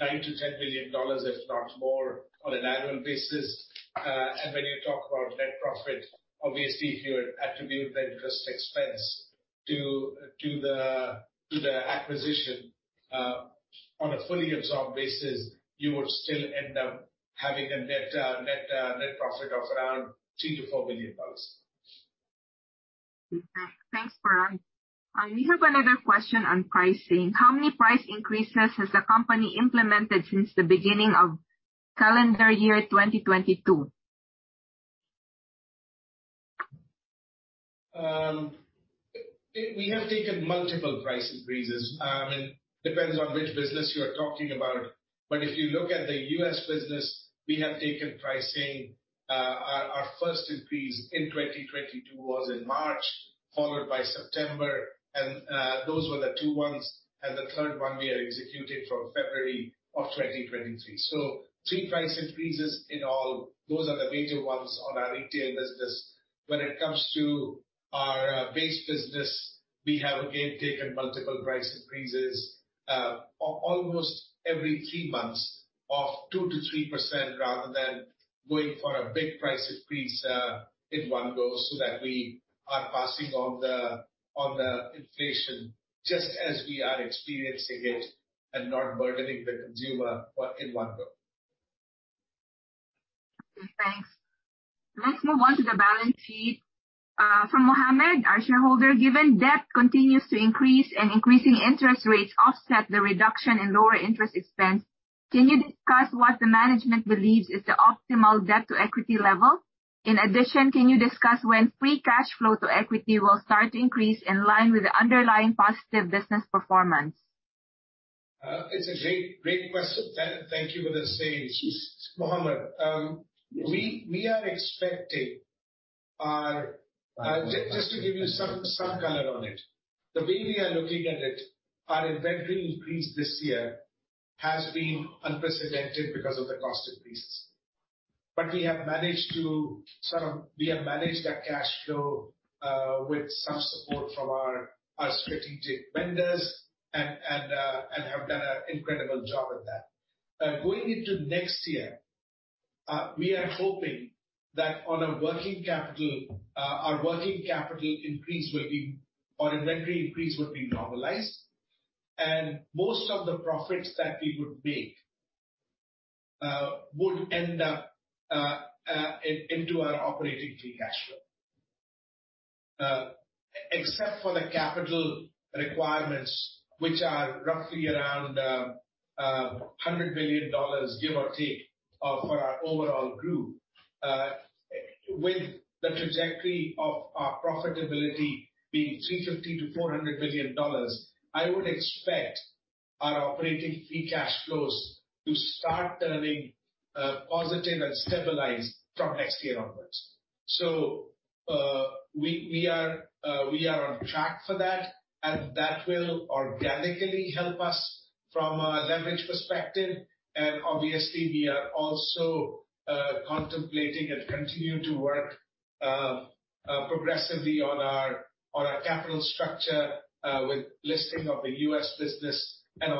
Speaker 2: $9 billion-$10 billion, if not more, on an annual basis. When you talk about net profit, obviously if you attribute the interest expense to the acquisition on a fully absorbed basis, you would still end up having a net profit of around $3 billion-$4 billion.
Speaker 5: Thanks, Farhan. We have another question on pricing. How many price increases has the company implemented since the beginning of calendar year 2022?
Speaker 2: We have taken multiple price increases. It depends on which business you are talking about. If you look at the U.S. business, we have taken pricing. Our first increase in 2022 was in March, followed by September. Those were the two ones, and the third one we are executing from February of 2023. 3 price increases in all. Those are the major ones on our retail business. When it comes to our base business, we have, again, taken multiple price increases almost every 3 months of 2%-3%, rather than going for a big price increase in one go, so that we are passing on the inflation just as we are experiencing it and not burdening the consumer in one go.
Speaker 5: Okay, thanks. Let's move on to the balance sheet. From Mohammed, our shareholder. Given debt continues to increase and increasing interest rates offset the reduction in lower interest expense, can you discuss what the management believes is the optimal Debt-to-Equity level? In addition, can you discuss when free cash flow to equity will start to increase in line with the underlying positive business performance?
Speaker 2: It's a great question. Thank you for the same, Mohammed. Just to give you some color on it. The way we are looking at it, our inventory increase this year has been unprecedented because of the cost increases. We have managed that cash flow with some support from our strategic vendors and have done an incredible job at that. Going into next year, we are hoping that on our working capital, our working capital increase will be, or inventory increase will be normalized. Most of the profits that we would make would end up into our operating free cash flow. Except for the capital requirements, which are roughly around $100 billion, give or take, for our overall group. With the trajectory of our profitability being $350 billion-$400 billion, I would expect our operating free cash flows to start turning positive and stabilized from next year onwards. We are on track for that, and that will organically help us from a leverage perspective. Obviously we are also contemplating and continue to work progressively on our capital structure, with listing of the U.S. business and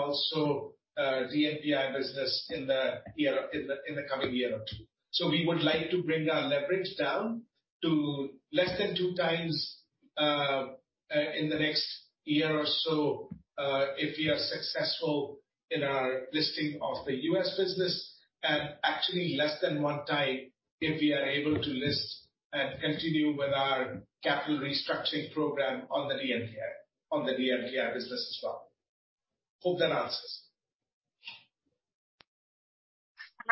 Speaker 2: also DMPI business in the coming year or two. We would like to bring our leverage down to less than 2 times in the next year or so, if we are successful in our listing of the U.S. business. Actually less than 1 time, if we are able to list and continue with our capital restructuring program on the DMPI business as well. Hope that answers.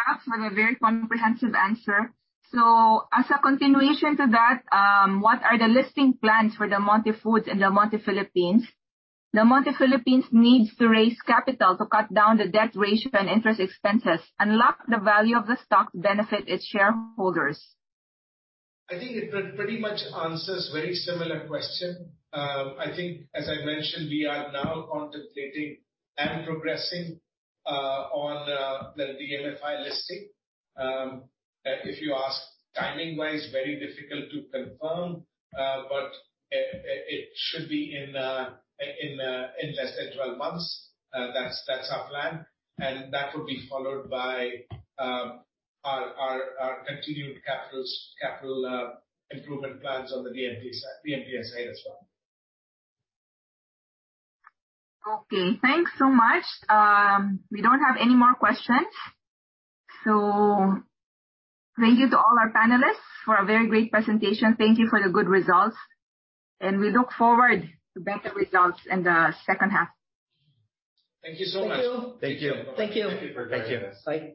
Speaker 5: Perhaps with a very comprehensive answer. As a continuation to that, what are the listing plans for Del Monte Foods and Del Monte Philippines? Del Monte Philippines needs to raise capital to cut down the debt ratio and interest expenses, unlock the value of the stock to benefit its shareholders.
Speaker 2: I think it pretty much answers very similar question. I think as I mentioned, we are now contemplating and progressing on the DMFI listing. If you ask timing-wise, very difficult to confirm, but it should be in less than 12 months. That's our plan. That would be followed by our continued capital improvement plans on the DMPI side as well.
Speaker 5: Okay, thanks so much. We don't have any more questions. Thank you to all our panelists for a very great presentation. Thank you for the good results, and we look forward to better results in the second half.
Speaker 2: Thank you so much.
Speaker 1: Thank you.
Speaker 2: Thank you.
Speaker 1: Thank you.
Speaker 2: Thank you for doing this.
Speaker 1: Bye.